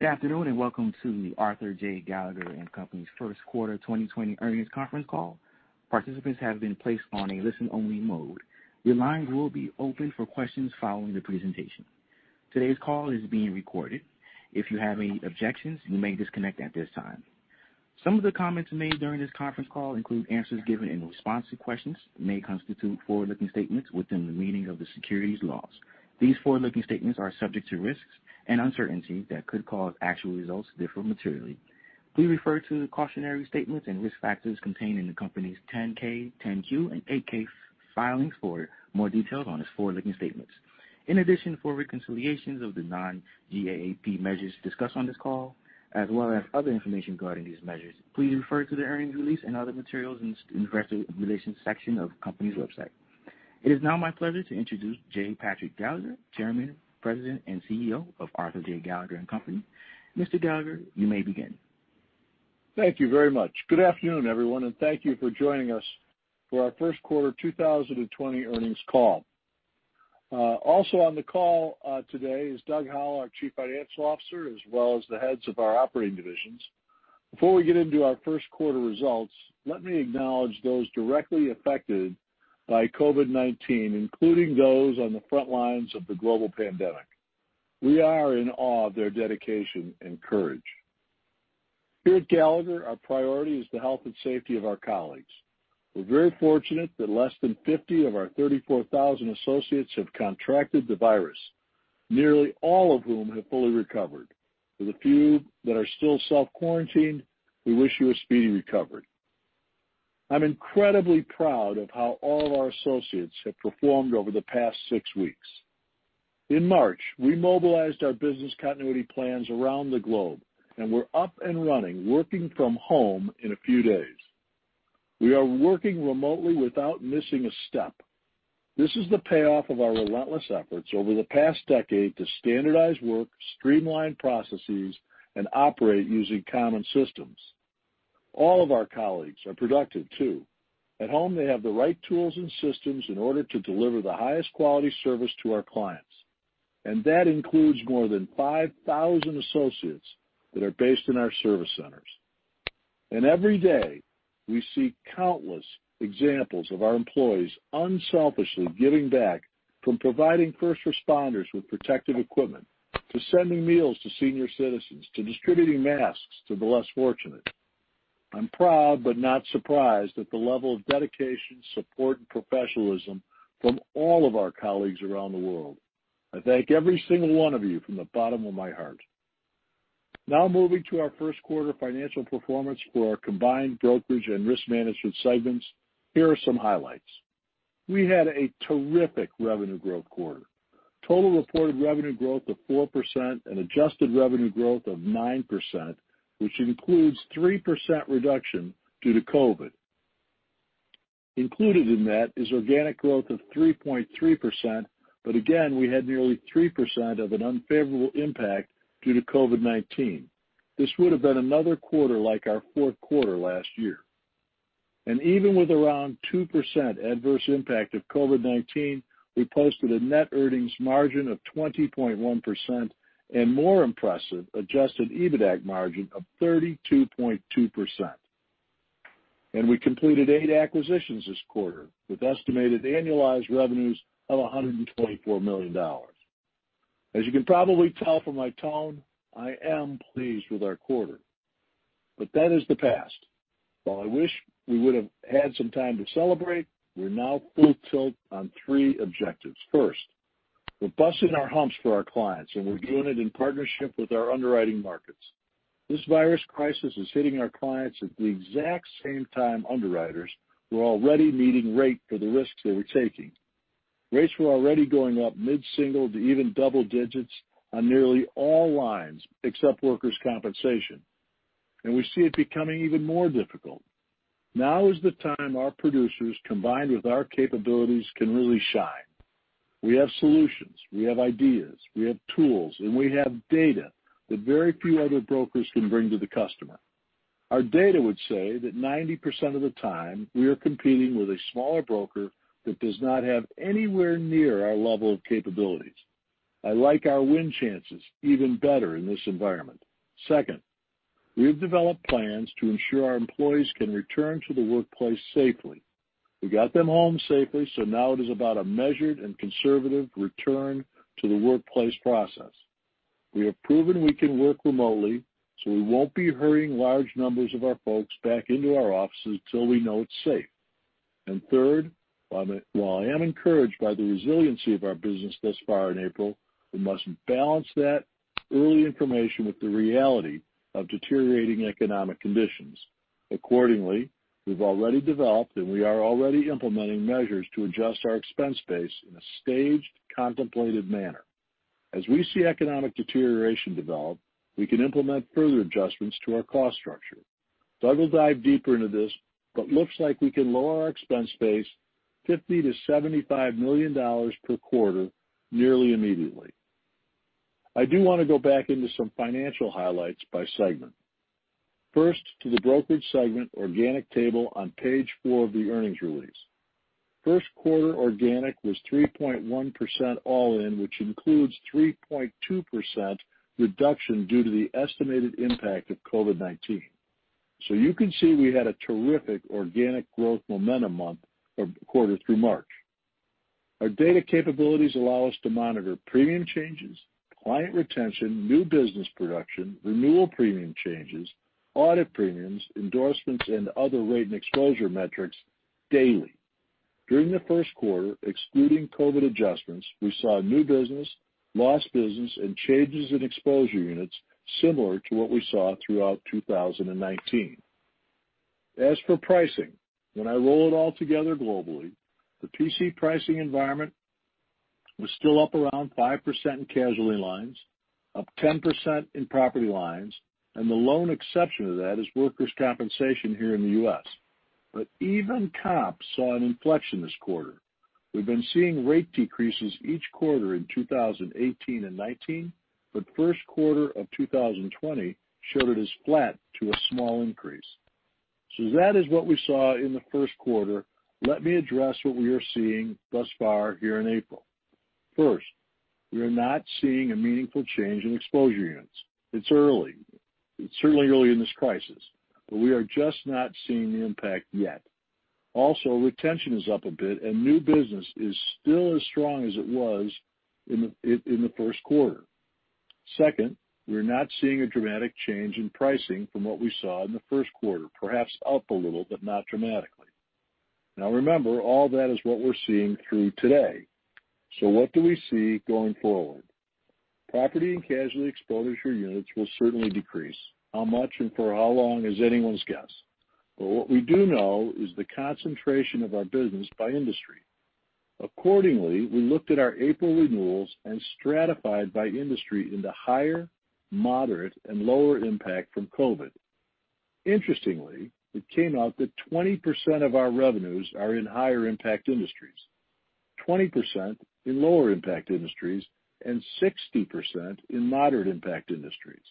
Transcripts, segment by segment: Good afternoon and welcome to the Arthur J. Gallagher & Co.'s first quarter 2020 earnings conference call. Participants have been placed on a listen-only mode. Your line will be open for questions following the presentation. Today's call is being recorded. If you have any objections, you may disconnect at this time. Some of the comments made during this conference call include answers given in response to questions that may constitute forward-looking statements within the meaning of the securities laws. These forward-looking statements are subject to risks and uncertainty that could cause actual results to differ materially. Please refer to the cautionary statements and risk factors contained in the company's 10-K, 10-Q, and 8-K filings for more details on its forward-looking statements. In addition, for reconciliations of the non-GAAP measures discussed on this call, as well as other information regarding these measures, please refer to the earnings release and other materials in the investor relations section of the company's website. It is now my pleasure to introduce J. Patrick Gallagher, Chairman, President, and CEO of Arthur J. Gallagher & Co. Mr. Gallagher, you may begin. Thank you very much. Good afternoon, everyone, and thank you for joining us for our first quarter 2020 earnings call. Also on the call today is Doug Howell, our Chief Financial Officer, as well as the heads of our operating divisions. Before we get into our first quarter results, let me acknowledge those directly affected by COVID-19, including those on the front lines of the global pandemic. We are in awe of their dedication and courage. Here at Gallagher, our priority is the health and safety of our colleagues. We're very fortunate that less than 50 of our 34,000 associates have contracted the virus, nearly all of whom have fully recovered. For the few that are still self-quarantined, we wish you a speedy recovery. I'm incredibly proud of how all of our associates have performed over the past six weeks. In March, we mobilized our business continuity plans around the globe, and we are up and running, working from home in a few days. We are working remotely without missing a step. This is the payoff of our relentless efforts over the past decade to standardize work, streamline processes, and operate using common systems. All of our colleagues are productive, too. At home, they have the right tools and systems in order to deliver the highest quality service to our clients. That includes more than 5,000 associates that are based in our service centers. Every day, we see countless examples of our employees unselfishly giving back, from providing first responders with protective equipment, to sending meals to senior citizens, to distributing masks to the less fortunate. I am proud, but not surprised, at the level of dedication, support, and professionalism from all of our colleagues around the world. I thank every single one of you from the bottom of my heart. Now, moving to our first quarter financial performance for our combined brokerage and risk management segments, here are some highlights. We had a terrific revenue growth quarter, total reported revenue growth of 4%, and adjusted revenue growth of 9%, which includes a 3% reduction due to COVID. Included in that is organic growth of 3.3%, but again, we had nearly 3% of an unfavorable impact due to COVID-19. This would have been another quarter like our fourth quarter last year. Even with around 2% adverse impact of COVID-19, we posted a net earnings margin of 20.1% and, more impressive, adjusted EBITDA margin of 32.2%. We completed eight acquisitions this quarter, with estimated annualized revenues of $124 million. As you can probably tell from my tone, I am pleased with our quarter. That is the past. While I wish we would have had some time to celebrate, we're now full tilt on three objectives. First, we're busting our humps for our clients, and we're doing it in partnership with our underwriting markets. This virus crisis is hitting our clients at the exact same time underwriters were already meeting rate for the risks they were taking. Rates were already going up mid-single to even double digits on nearly all lines except workers' compensation. We see it becoming even more difficult. Now is the time our producers, combined with our capabilities, can really shine. We have solutions. We have ideas. We have tools. We have data that very few other brokers can bring to the customer. Our data would say that 90% of the time, we are competing with a smaller broker that does not have anywhere near our level of capabilities. I like our win chances even better in this environment. Second, we have developed plans to ensure our employees can return to the workplace safely. We got them home safely, so now it is about a measured and conservative return to the workplace process. We have proven we can work remotely, so we won't be hurrying large numbers of our folks back into our offices until we know it's safe. Third, while I am encouraged by the resiliency of our business thus far in April, we must balance that early information with the reality of deteriorating economic conditions. Accordingly, we've already developed and we are already implementing measures to adjust our expense base in a staged contemplated manner. As we see economic deterioration develop, we can implement further adjustments to our cost structure. Doug will dive deeper into this, but it looks like we can lower our expense base $50 million-$75 million per quarter nearly immediately. I do want to go back into some financial highlights by segment. First, to the brokerage segment organic table on page four of the earnings release. First quarter organic was 3.1% all-in, which includes a 3.2% reduction due to the estimated impact of COVID-19. You can see we had a terrific organic growth momentum month or quarter through March. Our data capabilities allow us to monitor premium changes, client retention, new business production, renewal premium changes, audit premiums, endorsements, and other rate and exposure metrics daily. During the first quarter, excluding COVID adjustments, we saw new business, lost business, and changes in exposure units similar to what we saw throughout 2019. As for pricing, when I roll it all together globally, the PC pricing environment was still up around 5% in casualty lines, up 10% in property lines, and the lone exception to that is workers' compensation here in the U.S. Even comps saw an inflection this quarter. We have been seeing rate decreases each quarter in 2018 and 2019, but the first quarter of 2020 showed it as flat to a small increase. That is what we saw in the first quarter. Let me address what we are seeing thus far here in April. First, we are not seeing a meaningful change in exposure units. It is early. It is certainly early in this crisis, but we are just not seeing the impact yet. Also, retention is up a bit, and new business is still as strong as it was in the first quarter. Second, we're not seeing a dramatic change in pricing from what we saw in the first quarter, perhaps up a little, but not dramatically. Now, remember, all that is what we're seeing through today. What do we see going forward? Property and casualty exposure units will certainly decrease. How much and for how long is anyone's guess. What we do know is the concentration of our business by industry. Accordingly, we looked at our April renewals and stratified by industry into higher, moderate, and lower impact from COVID. Interestingly, it came out that 20% of our revenues are in higher impact industries, 20% in lower impact industries, and 60% in moderate impact industries.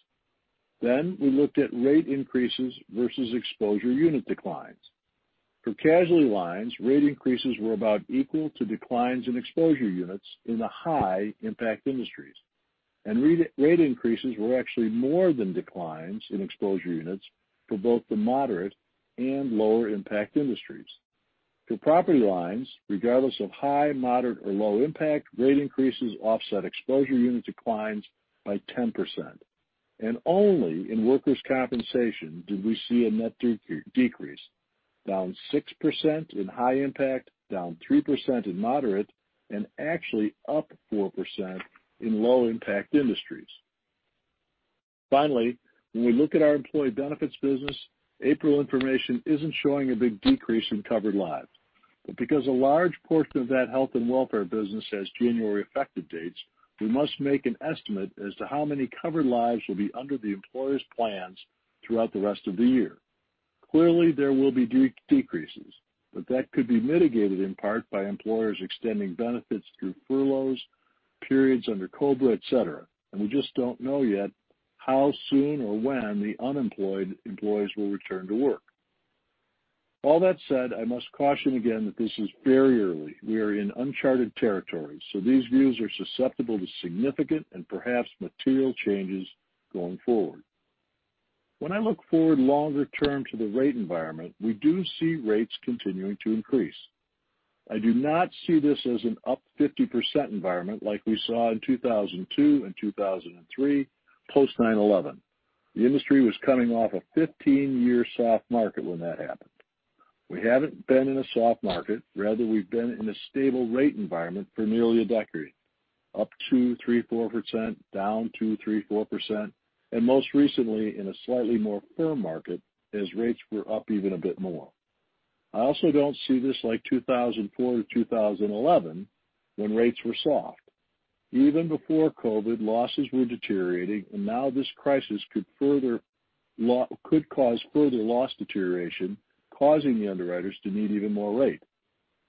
We looked at rate increases versus exposure unit declines. For casualty lines, rate increases were about equal to declines in exposure units in the high impact industries. Rate increases were actually more than declines in exposure units for both the moderate and lower impact industries. For property lines, regardless of high, moderate, or low impact, rate increases offset exposure unit declines by 10%. Only in workers' compensation did we see a net decrease, down 6% in high impact, down 3% in moderate, and actually up 4% in low impact industries. Finally, when we look at our employee benefits business, April information is not showing a big decrease in covered lives. Because a large portion of that health and welfare business has January effective dates, we must make an estimate as to how many covered lives will be under the employer's plans throughout the rest of the year. Clearly, there will be decreases, but that could be mitigated in part by employers extending benefits through furloughs, periods under COBRA, etc. We just do not know yet how soon or when the unemployed employees will return to work. All that said, I must caution again that this is very early. We are in uncharted territory, so these views are susceptible to significant and perhaps material changes going forward. When I look forward longer term to the rate environment, we do see rates continuing to increase. I do not see this as an up 50% environment like we saw in 2002 and 2003 post-9/11. The industry was coming off a 15-year soft market when that happened. We have not been in a soft market. Rather, we've been in a stable rate environment for nearly a decade, up 2%, 3%, 4%, down 2%, 3%, 4%, and most recently in a slightly more firm market as rates were up even a bit more. I also don't see this like 2004 to 2011 when rates were soft. Even before COVID, losses were deteriorating, and now this crisis could cause further loss deterioration, causing the underwriters to need even more rate.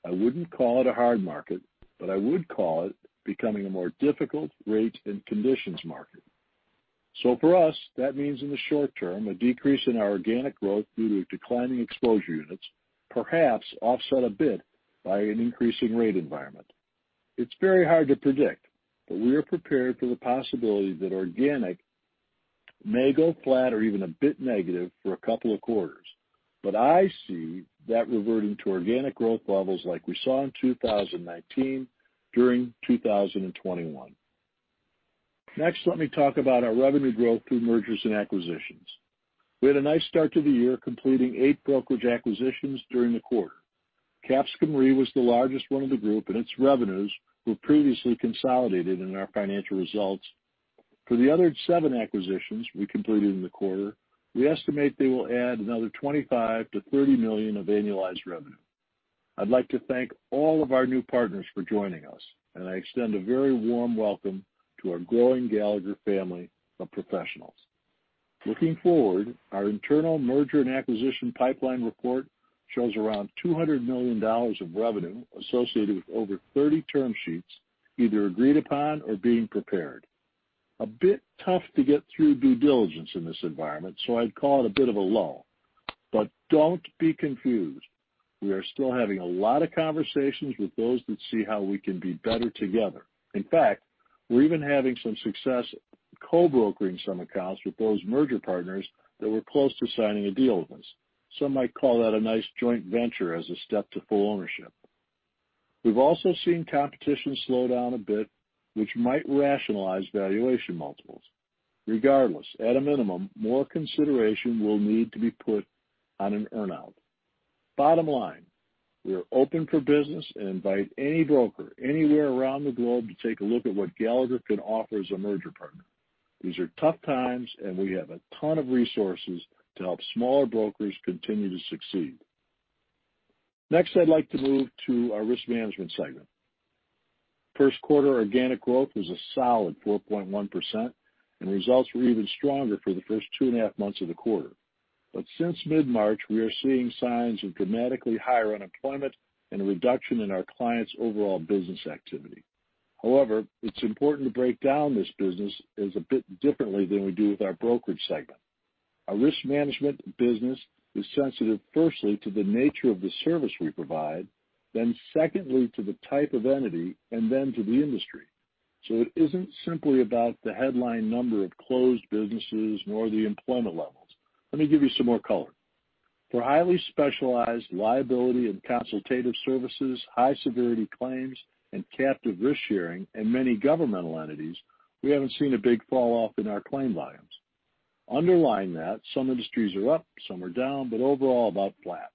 I wouldn't call it a hard market, but I would call it becoming a more difficult rates and conditions market. For us, that means in the short term, a decrease in our organic growth due to declining exposure units perhaps offset a bit by an increasing rate environment. It's very hard to predict, but we are prepared for the possibility that organic may go flat or even a bit negative for a couple of quarters. I see that reverting to organic growth levels like we saw in 2019 during 2021. Next, let me talk about our revenue growth through mergers and acquisitions. We had a nice start to the year completing eight brokerage acquisitions during the quarter. Capscom Re was the largest one of the group, and its revenues were previously consolidated in our financial results. For the other seven acquisitions we completed in the quarter, we estimate they will add another $25 million-$30 million of annualized revenue. I'd like to thank all of our new partners for joining us, and I extend a very warm welcome to our growing Gallagher family of professionals. Looking forward, our internal merger and acquisition pipeline report shows around $200 million of revenue associated with over 30 term sheets either agreed upon or being prepared. A bit tough to get through due diligence in this environment, so I'd call it a bit of a lull. Do not be confused. We are still having a lot of conversations with those that see how we can be better together. In fact, we're even having some success co-brokering some accounts with those merger partners that were close to signing a deal with us. Some might call that a nice joint venture as a step to full ownership. We've also seen competition slow down a bit, which might rationalize valuation multiples. Regardless, at a minimum, more consideration will need to be put on an earnout. Bottom line, we are open for business and invite any broker anywhere around the globe to take a look at what Gallagher can offer as a merger partner. These are tough times, and we have a ton of resources to help smaller brokers continue to succeed. Next, I'd like to move to our risk management segment. First quarter organic growth was a solid 4.1%, and results were even stronger for the first two and a half months of the quarter. Since mid-March, we are seeing signs of dramatically higher unemployment and a reduction in our clients' overall business activity. However, it's important to break down this business a bit differently than we do with our brokerage segment. Our risk management business is sensitive firstly to the nature of the service we provide, then secondly to the type of entity, and then to the industry. It isn't simply about the headline number of closed businesses nor the employment levels. Let me give you some more color. For highly specialized liability and consultative services, high-severity claims, and captive risk sharing in many governmental entities, we haven't seen a big falloff in our claim volumes. Underlying that, some industries are up, some are down, but overall about flat.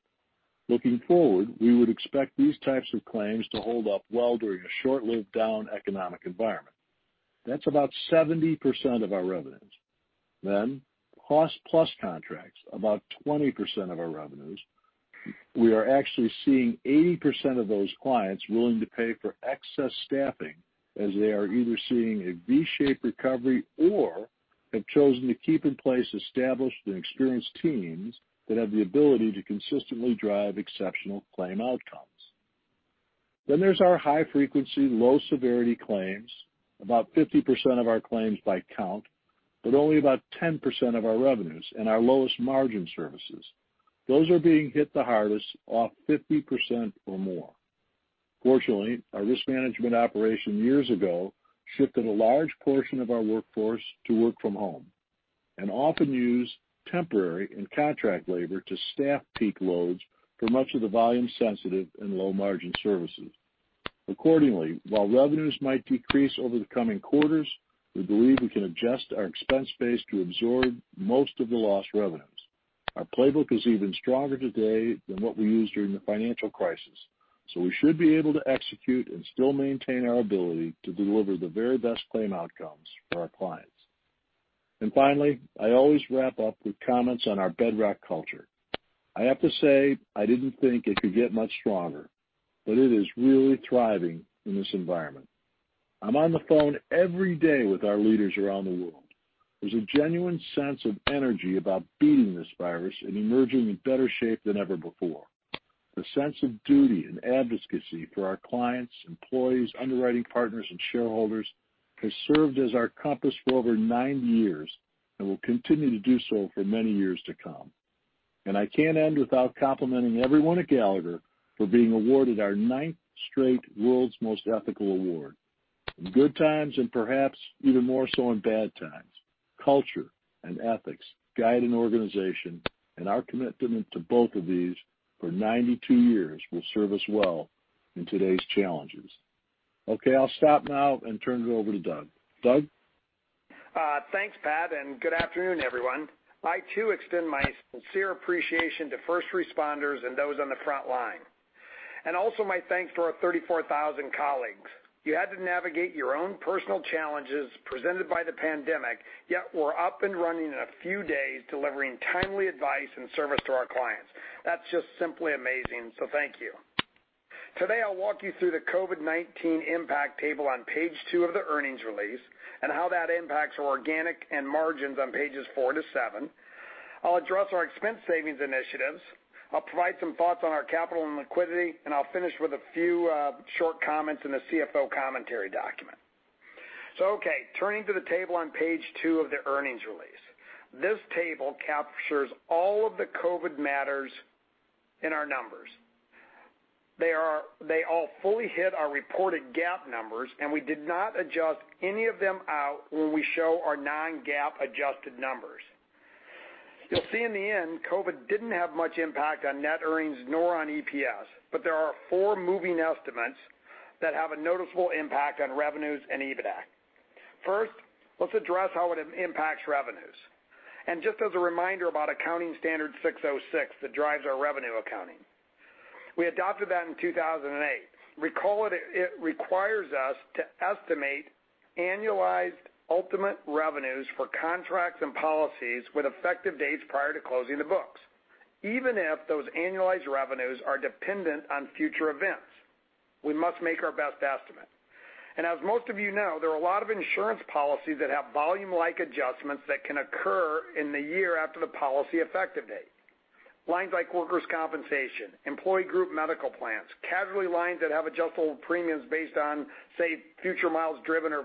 Looking forward, we would expect these types of claims to hold up well during a short-lived down economic environment. That's about 70% of our revenues. Cost-plus contracts, about 20% of our revenues. We are actually seeing 80% of those clients willing to pay for excess staffing as they are either seeing a V-shaped recovery or have chosen to keep in place established and experienced teams that have the ability to consistently drive exceptional claim outcomes. There's our high-frequency, low-severity claims, about 50% of our claims by count, but only about 10% of our revenues and our lowest margin services. Those are being hit the hardest off 50% or more. Fortunately, our risk management operation years ago shifted a large portion of our workforce to work from home and often used temporary and contract labor to staff peak loads for much of the volume-sensitive and low-margin services. Accordingly, while revenues might decrease over the coming quarters, we believe we can adjust our expense base to absorb most of the lost revenues. Our playbook is even stronger today than what we used during the financial crisis, so we should be able to execute and still maintain our ability to deliver the very best claim outcomes for our clients. Finally, I always wrap up with comments on our bedrock culture. I have to say I did not think it could get much stronger, but it is really thriving in this environment. I'm on the phone every day with our leaders around the world. There's a genuine sense of energy about beating this virus and emerging in better shape than ever before. The sense of duty and advocacy for our clients, employees, underwriting partners, and shareholders has served as our compass for over nine years and will continue to do so for many years to come. I can't end without complimenting everyone at Gallagher for being awarded our ninth straight World's Most Ethical Award. In good times and perhaps even more so in bad times, culture and ethics guide an organization, and our commitment to both of these for 92 years will serve us well in today's challenges. Okay, I'll stop now and turn it over to Doug. Doug? Thanks, Pat, and good afternoon, everyone. I too extend my sincere appreciation to first responders and those on the front line. Also, my thanks to our 34,000 colleagues. You had to navigate your own personal challenges presented by the pandemic, yet we were up and running in a few days delivering timely advice and service to our clients. That is just simply amazing, so thank you. Today, I will walk you through the COVID-19 impact table on page two of the earnings release and how that impacts organic and margins on pages four to seven. I will address our expense savings initiatives. I will provide some thoughts on our capital and liquidity, and I will finish with a few short comments in the CFO commentary document. Okay, turning to the table on page two of the earnings release. This table captures all of the COVID matters in our numbers. They all fully hit our reported GAAP numbers, and we did not adjust any of them out when we show our non-GAAP adjusted numbers. You'll see in the end, COVID didn't have much impact on net earnings nor on EPS, but there are four moving estimates that have a noticeable impact on revenues and EBITDA. First, let's address how it impacts revenues. Just as a reminder about Accounting Standard 606 that drives our revenue accounting. We adopted that in 2008. Recall it requires us to estimate annualized ultimate revenues for contracts and policies with effective dates prior to closing the books, even if those annualized revenues are dependent on future events. We must make our best estimate. As most of you know, there are a lot of insurance policies that have volume-like adjustments that can occur in the year after the policy effective date. Lines like workers' compensation, employee group medical plans, casualty lines that have adjustable premiums based on, say, future miles driven or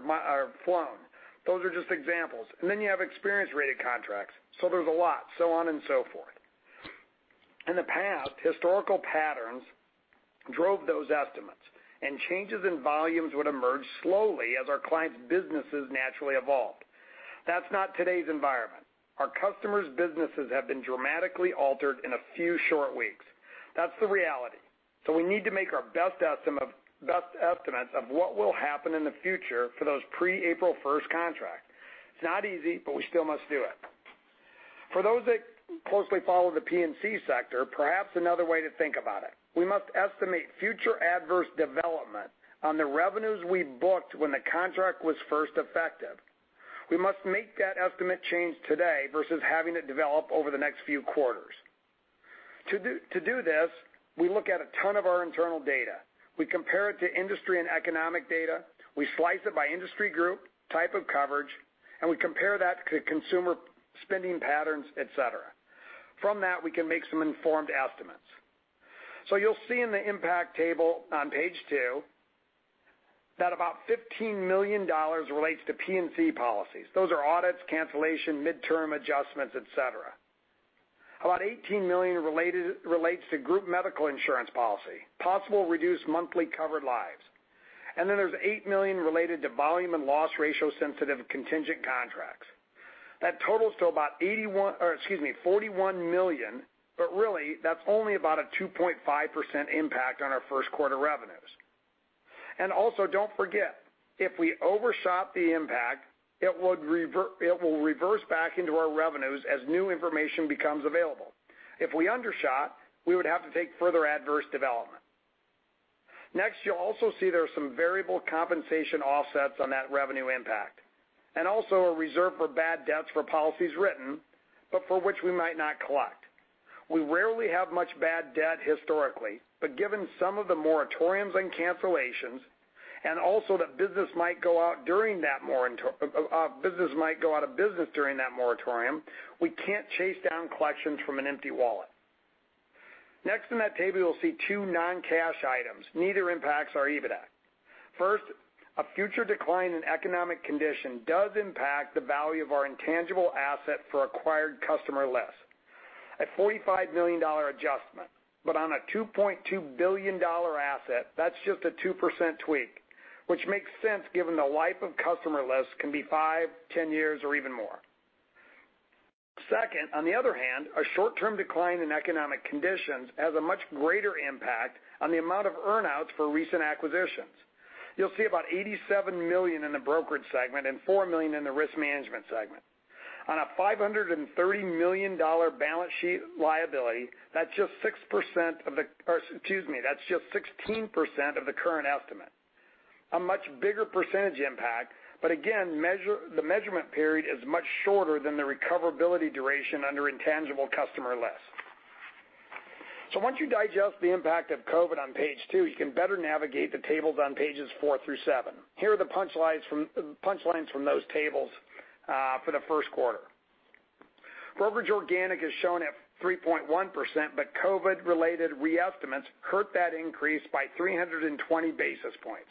flown. Those are just examples. You have experience-rated contracts. There is a lot, so on and so forth. In the past, historical patterns drove those estimates, and changes in volumes would emerge slowly as our clients' businesses naturally evolved. That is not today's environment. Our customers' businesses have been dramatically altered in a few short weeks. That is the reality. We need to make our best estimates of what will happen in the future for those pre-April 1 contracts. It is not easy, but we still must do it. For those that closely follow the P&C sector, perhaps another way to think about it. We must estimate future adverse development on the revenues we booked when the contract was first effective. We must make that estimate change today versus having it develop over the next few quarters. To do this, we look at a ton of our internal data. We compare it to industry and economic data. We slice it by industry group, type of coverage, and we compare that to consumer spending patterns, etc. From that, we can make some informed estimates. You will see in the impact table on page two that about $15 million relates to P&C policies. Those are audits, cancellation, midterm adjustments, etc. About $18 million relates to group medical insurance policy, possible reduced monthly covered lives. There is $8 million related to volume and loss ratio-sensitive contingent contracts. That totals to about $41 million, but really, that is only about a 2.5% impact on our first quarter revenues. Also, do not forget, if we overshot the impact, it will reverse back into our revenues as new information becomes available. If we undershot, we would have to take further adverse development. Next, you'll also see there are some variable compensation offsets on that revenue impact. Also a reserve for bad debts for policies written, but for which we might not collect. We rarely have much bad debt historically, but given some of the moratoriums and cancellations, and also that business might go out during that business might go out of business during that moratorium, we can't chase down collections from an empty wallet. Next in that table, you'll see two non-cash items. Neither impacts our EBITDA. First, a future decline in economic condition does impact the value of our intangible asset for acquired customer lists. A $45 million adjustment, but on a $2.2 billion asset, that's just a 2% tweak, which makes sense given the life of customer lists can be 5, 10 years, or even more. Second, on the other hand, a short-term decline in economic conditions has a much greater impact on the amount of earnouts for recent acquisitions. You'll see about $87 million in the brokerage segment and $4 million in the risk management segment. On a $530 million balance sheet liability, that's just 16% of the current estimate. A much bigger percentage impact, but again, the measurement period is much shorter than the recoverability duration under intangible customer lists. Once you digest the impact of COVID on page two, you can better navigate the tables on pages four through seven. Here are the punchlines from those tables for the first quarter. Brokerage organic is shown at 3.1%, but COVID-related re-estimates hurt that increase by 320 basis points.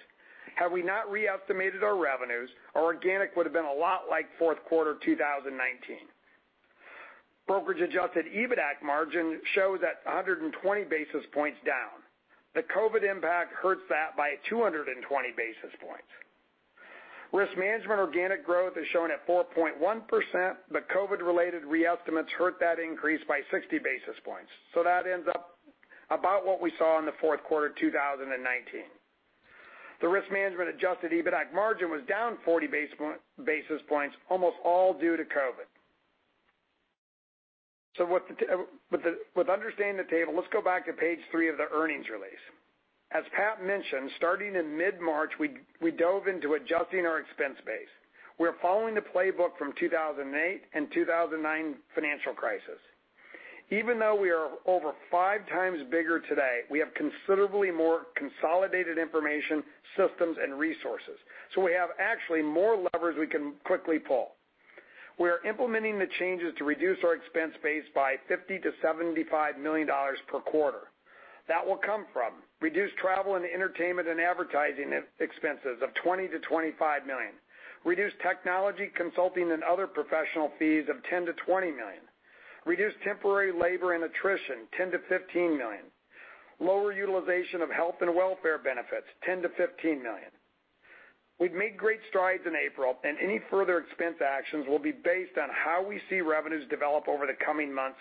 Had we not re-estimated our revenues, our organic would have been a lot like fourth quarter 2019. Brokerage-adjusted EBITDA margin shows at 120 basis points down. The COVID impact hurts that by 220 basis points. Risk management organic growth is shown at 4.1%, but COVID-related re-estimates hurt that increase by 60 basis points. That ends up about what we saw in the fourth quarter 2019. The risk management-adjusted EBITDA margin was down 40 basis points, almost all due to COVID. With understanding the table, let's go back to page three of the earnings release. As Pat mentioned, starting in mid-March, we dove into adjusting our expense base. We're following the playbook from the 2008 and 2009 financial crisis. Even though we are over five times bigger today, we have considerably more consolidated information, systems, and resources. We have actually more levers we can quickly pull. We are implementing the changes to reduce our expense base by $50 million-$75 million per quarter. That will come from reduced travel and entertainment and advertising expenses of $20-$25 million, reduced technology, consulting, and other professional fees of $10-$20 million, reduced temporary labor and attrition, $10-$15 million, lower utilization of health and welfare benefits, $10-$15 million. We've made great strides in April, and any further expense actions will be based on how we see revenues develop over the coming months.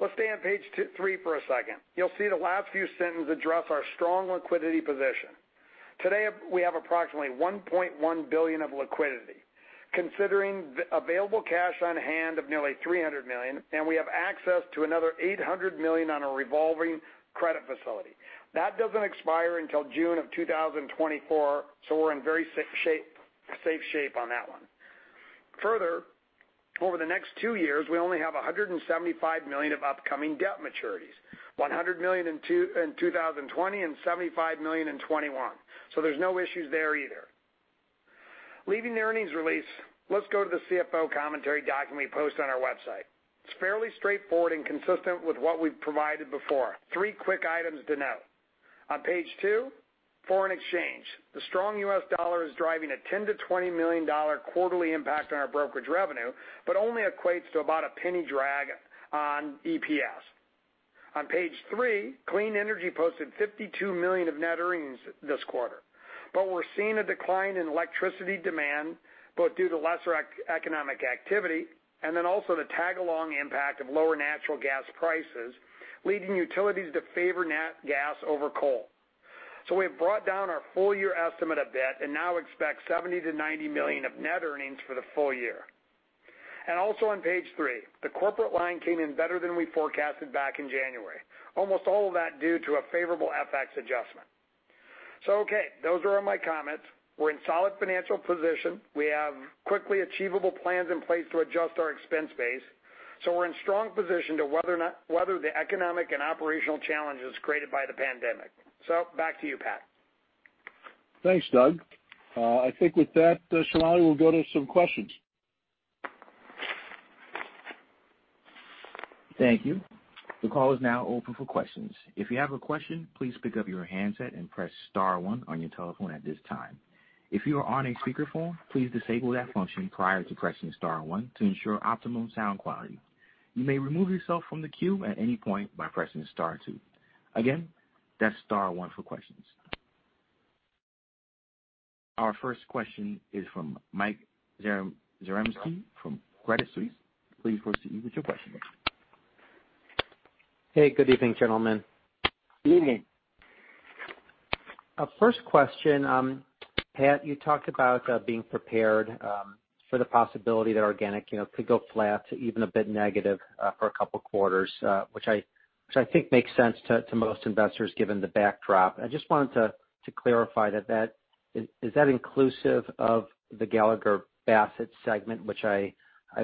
Let's stay on page three for a second. You'll see the last few sentences address our strong liquidity position. Today, we have approximately $1.1 billion of liquidity, considering the available cash on hand of nearly $300 million, and we have access to another $800 million on a revolving credit facility. That doesn't expire until June of 2024, so we're in very safe shape on that one. Further, over the next two years, we only have $175 million of upcoming debt maturities: $100 million in 2020 and $75 million in 2021. There is no issue there either. Leaving the earnings release, let's go to the CFO commentary document we post on our website. It is fairly straightforward and consistent with what we have provided before. Three quick items to note. On page two, foreign exchange. The strong US dollar is driving a $10 million-$20 million quarterly impact on our brokerage revenue, but only equates to about a penny drag on EPS. On page three, Clean Energy posted $52 million of net earnings this quarter, but we are seeing a decline in electricity demand, both due to lesser economic activity and then also the tag-along impact of lower natural gas prices, leading utilities to favor natural gas over coal. We have brought down our full-year estimate a bit and now expect $70-$90 million of net earnings for the full year. Also on page three, the corporate line came in better than we forecasted back in January, almost all of that due to a favorable FX adjustment. Okay, those are all my comments. We're in solid financial position. We have quickly achievable plans in place to adjust our expense base. We're in strong position to weather the economic and operational challenges created by the pandemic. Back to you, Pat. Thanks, Doug. I think with that, Shalali, we'll go to some questions. Thank you. The call is now open for questions. If you have a question, please pick up your handset and press star one on your telephone at this time. If you are on a speakerphone, please disable that function prior to pressing star one to ensure optimum sound quality. You may remove yourself from the queue at any point by pressing star two. Again, that's star one for questions. Our first question is from Mike Ziebell from Credit Suisse. Please proceed with your question. Hey, good evening, gentlemen. Good evening. First question, Pat, you talked about being prepared for the possibility that organic could go flat, even a bit negative for a couple of quarters, which I think makes sense to most investors given the backdrop. I just wanted to clarify that that is that inclusive of the Gallagher Bassett segment, which I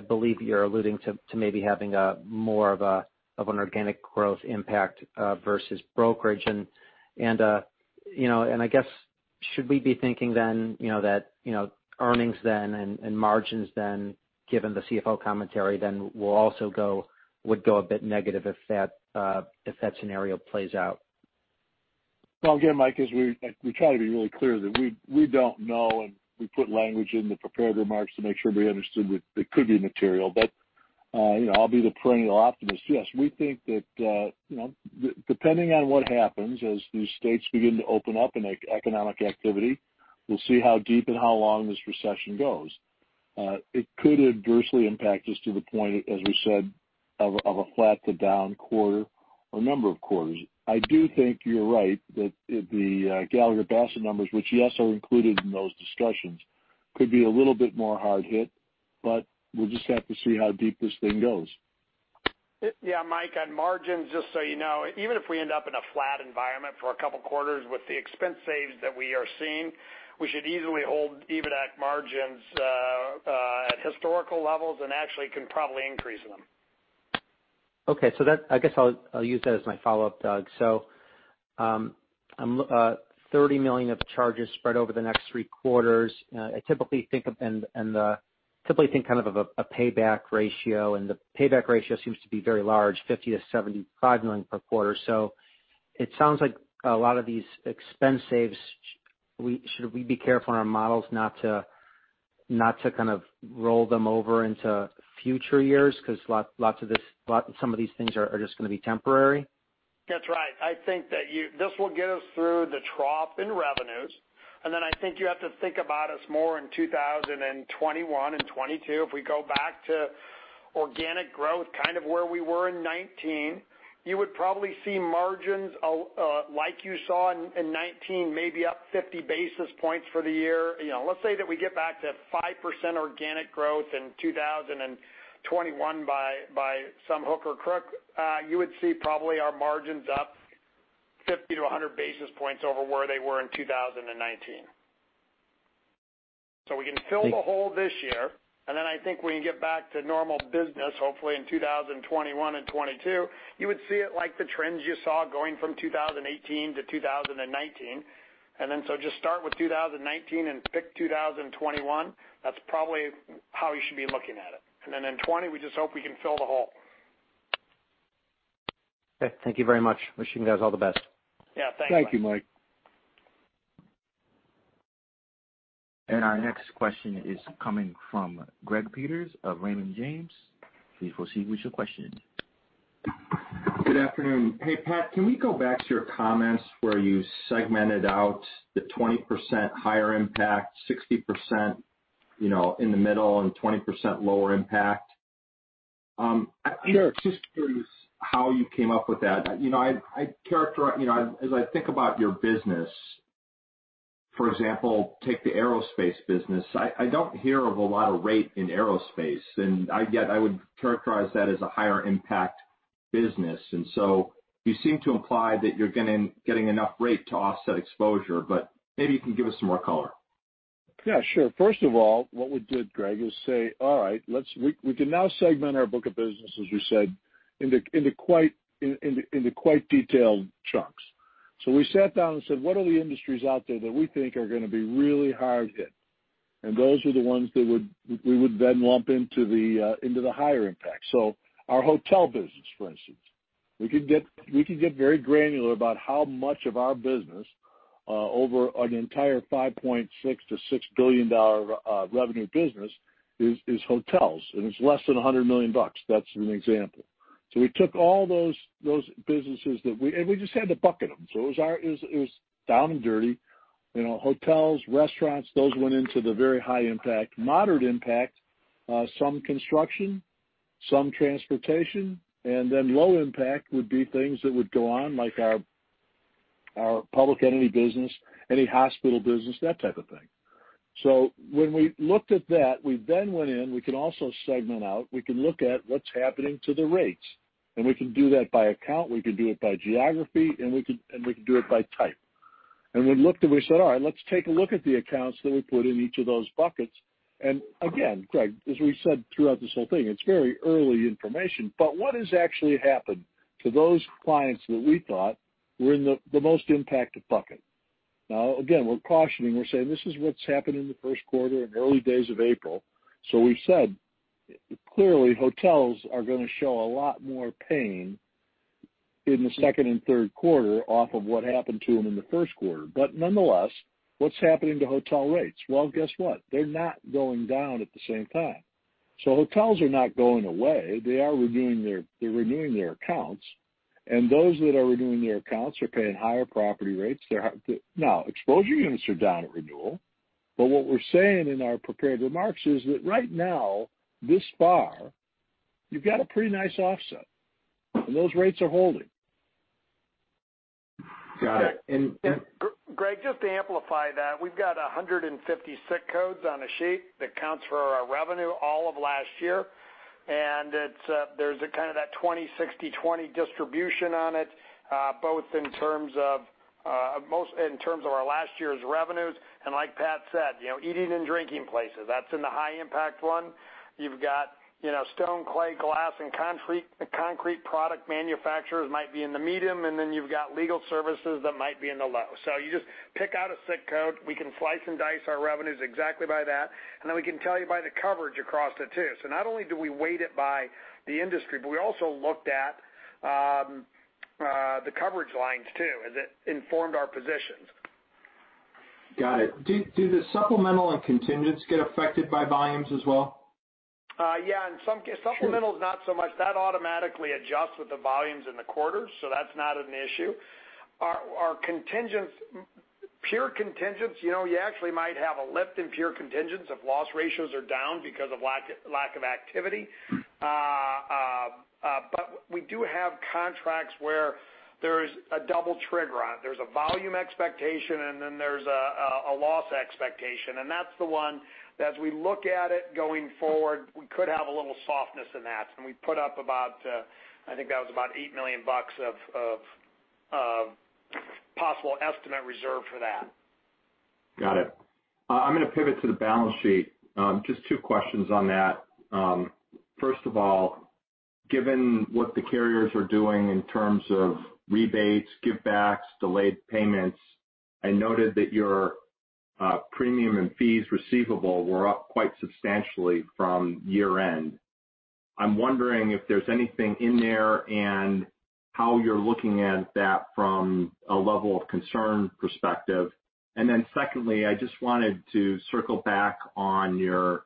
believe you're alluding to maybe having more of an organic growth impact versus brokerage. I guess, should we be thinking then that earnings then and margins then, given the CFO commentary, then will also go would go a bit negative if that scenario plays out? Again, Mike, as we try to be really clear that we do not know, and we put language in the prepared remarks to make sure we understood that it could be material. I will be the perennial optimist. Yes, we think that depending on what happens as these states begin to open up in economic activity, we will see how deep and how long this recession goes. It could adversely impact us to the point, as we said, of a flat to down quarter or number of quarters. I do think you're right that the Gallagher Bassett numbers, which yes, are included in those discussions, could be a little bit more hard hit, but we'll just have to see how deep this thing goes. Yeah, Mike, on margins, just so you know, even if we end up in a flat environment for a couple of quarters with the expense saves that we are seeing, we should easily hold EBITDA margins at historical levels and actually can probably increase them. Okay. I guess I'll use that as my follow-up, Doug. $30 million of charges spread over the next three quarters. I typically think kind of of a payback ratio, and the payback ratio seems to be very large, $50-$75 million per quarter. It sounds like a lot of these expense saves, should we be careful in our models not to kind of roll them over into future years because lots of some of these things are just going to be temporary? That's right. I think that this will get us through the trough in revenues. I think you have to think about us more in 2021 and 2022. If we go back to organic growth, kind of where we were in 2019, you would probably see margins like you saw in 2019, maybe up 50 basis points for the year. Let's say that we get back to 5% organic growth in 2021 by some hook or crook, you would see probably our margins up 50-100 basis points over where they were in 2019. We can fill the hole this year, and then I think when you get back to normal business, hopefully in 2021 and 2022, you would see it like the trends you saw going from 2018 to 2019. Just start with 2019 and pick 2021. That's probably how you should be looking at it. In 2020, we just hope we can fill the hole. Okay. Thank you very much. Wishing you guys all the best. Yeah, thank you. Thank you, Mike. Our next question is coming from Greg Peters of Raymond James. Please proceed with your question. Good afternoon. Hey, Pat, can we go back to your comments where you segmented out the 20% higher impact, 60% in the middle, and 20% lower impact? Sure. Just curious how you came up with that. As I think about your business, for example, take the aerospace business. I do not hear of a lot of rate in aerospace, and yet I would characterize that as a higher impact business. You seem to imply that you are getting enough rate to offset exposure, but maybe you can give us some more color. Yeah, sure. First of all, what we did, Greg, is say, "All right, we can now segment our book of business, as we said, into quite detailed chunks." We sat down and said, "What are the industries out there that we think are going to be really hard hit?" Those are the ones that we would then lump into the higher impact. Our hotel business, for instance, we can get very granular about how much of our business over an entire $5.6 billion-$6 billion revenue business is hotels, and it's less than $100 million. That's an example. We took all those businesses that we had and we just had to bucket them. It was down and dirty. Hotels, restaurants, those went into the very high impact. Moderate impact, some construction, some transportation, and then low impact would be things that would go on like our public entity business, any hospital business, that type of thing. When we looked at that, we then went in, we can also segment out, we can look at what's happening to the rates, and we can do that by account, we can do it by geography, and we can do it by type. We looked and we said, "All right, let's take a look at the accounts that we put in each of those buckets." Again, Greg, as we said throughout this whole thing, it's very early information, but what has actually happened to those clients that we thought were in the most impacted bucket? Again, we're cautioning. We're saying this is what's happened in the first quarter and early days of April. We've said clearly hotels are going to show a lot more pain in the second and third quarter off of what happened to them in the first quarter. Nonetheless, what's happening to hotel rates? Guess what? They're not going down at the same time. Hotels are not going away. They are renewing their accounts, and those that are renewing their accounts are paying higher property rates. Now, exposure units are down at renewal, but what we're saying in our prepared remarks is that right now, this far, you've got a pretty nice offset, and those rates are holding. Got it. Greg, just to amplify that, we've got 150 SIC codes on a sheet that counts for our revenue all of last year, and there's kind of that 20/60/20 distribution on it, both in terms of our last year's revenues. Like Pat said, eating and drinking places, that's in the high impact one. You've got stone, clay, glass, and concrete product manufacturers might be in the medium, and then you've got legal services that might be in the low. You just pick out a SIC code. We can slice and dice our revenues exactly by that, and then we can tell you by the coverage across it too. Not only do we weight it by the industry, but we also looked at the coverage lines too, as it informed our positions. Got it. Do the supplemental and contingents get affected by volumes as well? Yeah. Supplementals, not so much. That automatically adjusts with the volumes in the quarters, so that's not an issue. Our pure contingents, you actually might have a lift in pure contingents if loss ratios are down because of lack of activity. We do have contracts where there's a double trigger on it. There's a volume expectation, and then there's a loss expectation. That's the one that, as we look at it going forward, we could have a little softness in that. We put up about, I think that was about $8 million of possible estimate reserve for that. Got it. I'm going to pivot to the balance sheet. Just two questions on that. First of all, given what the carriers are doing in terms of rebates, give-backs, delayed payments, I noted that your premium and fees receivable were up quite substantially from year-end. I'm wondering if there's anything in there and how you're looking at that from a level of concern perspective. Secondly, I just wanted to circle back on your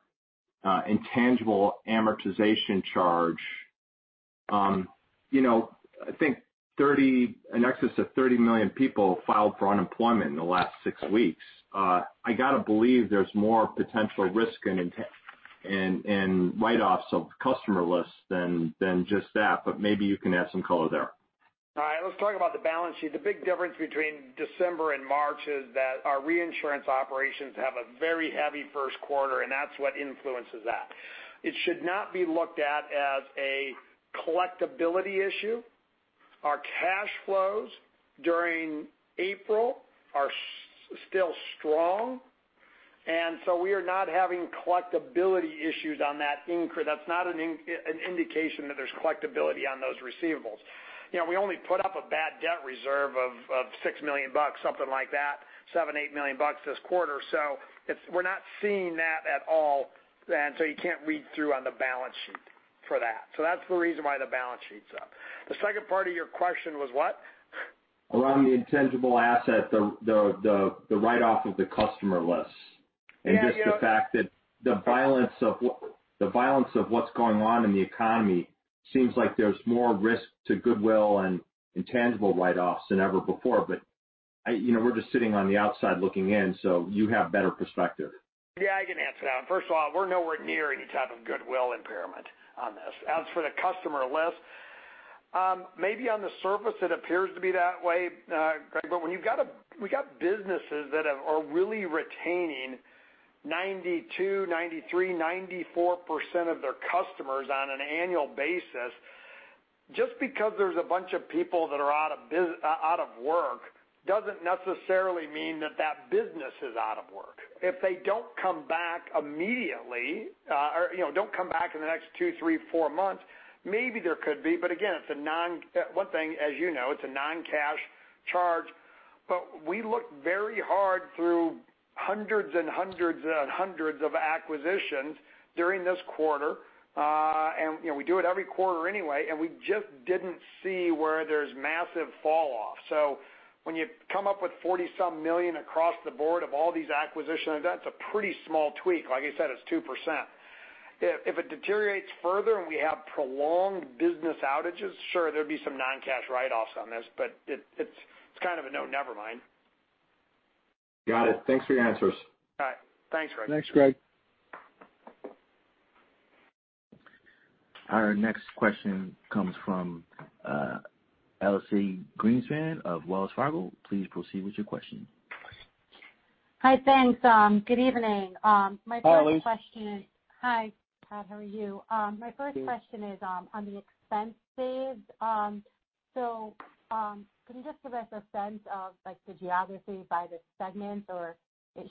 intangible amortization charge. I think in excess of 30 million people filed for unemployment in the last six weeks. I got to believe there's more potential risk and write-offs of customer lists than just that, but maybe you can add some color there. All right. Let's talk about the balance sheet. The big difference between December and March is that our reinsurance operations have a very heavy first quarter, and that's what influences that. It should not be looked at as a collectibility issue. Our cash flows during April are still strong, and we are not having collectibility issues on that. That is not an indication that there is collectibility on those receivables. We only put up a bad debt reserve of $6 million, something like that, $7, $8 million this quarter. We are not seeing that at all, and you cannot read through on the balance sheet for that. That is the reason why the balance sheet is up. The second part of your question was what? Around the intangible asset, the write-off of the customer lists. Just the fact that the violence of what is going on in the economy seems like there is more risk to goodwill and intangible write-offs than ever before. We are just sitting on the outside looking in, so you have better perspective. Yeah, I can answer that. First of all, we're nowhere near any type of goodwill impairment on this. As for the customer list, maybe on the surface, it appears to be that way, Greg, but when you've got businesses that are really retaining 92%, 93%, 94% of their customers on an annual basis, just because there's a bunch of people that are out of work doesn't necessarily mean that that business is out of work. If they don't come back immediately or don't come back in the next two, three, four months, maybe there could be. Again, one thing, as you know, it's a non-cash charge. We looked very hard through hundreds and hundreds and hundreds of acquisitions during this quarter, and we do it every quarter anyway, and we just didn't see where there's massive falloff. When you come up with $40-some million across the board of all these acquisitions, that's a pretty small tweak. Like I said, it's 2%. If it deteriorates further and we have prolonged business outages, sure, there'd be some non-cash write-offs on this, but it's kind of a no never mind. Got it. Thanks for your answers. All right. Thanks, Greg. Thanks, Greg. Our next question comes from Elyse Greenspan of Wells Fargo. Please proceed with your question. Hi, thanks. Good evening. My first question is Hi, Pat. How are you? My first question is on the expense saves. Can you just give us a sense of the geography by the segments, or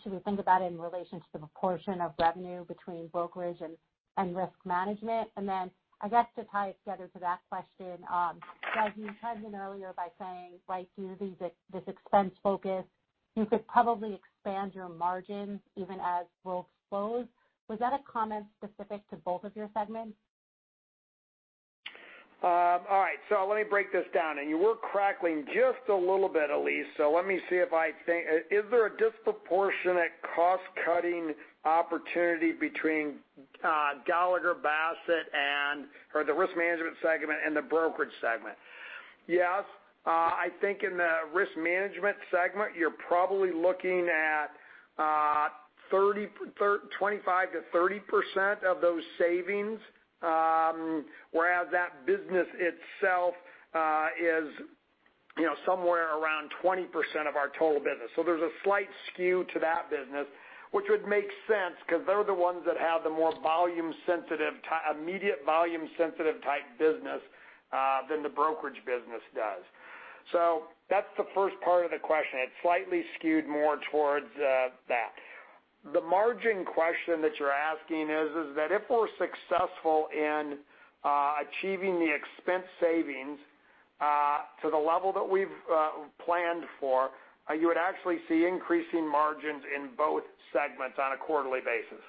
should we think about it in relation to the proportion of revenue between brokerage and risk management? I guess to tie it together to that question, Doug, you kind of went earlier by saying, "Due to this expense focus, you could probably expand your margins even as worlds close." Was that a comment specific to both of your segments? All right. Let me break this down. You were crackling just a little bit, Elyse. Let me see if I think is there a disproportionate cost-cutting opportunity between Gallagher Bassett or the risk management segment and the brokerage segment? Yes. I think in the risk management segment, you're probably looking at 25%-30% of those savings, whereas that business itself is somewhere around 20% of our total business. There is a slight skew to that business, which would make sense because they're the ones that have the more immediate volume-sensitive type business than the brokerage business does. That's the first part of the question. It's slightly skewed more towards that. The margin question that you're asking is that if we're successful in achieving the expense savings to the level that we've planned for, you would actually see increasing margins in both segments on a quarterly basis.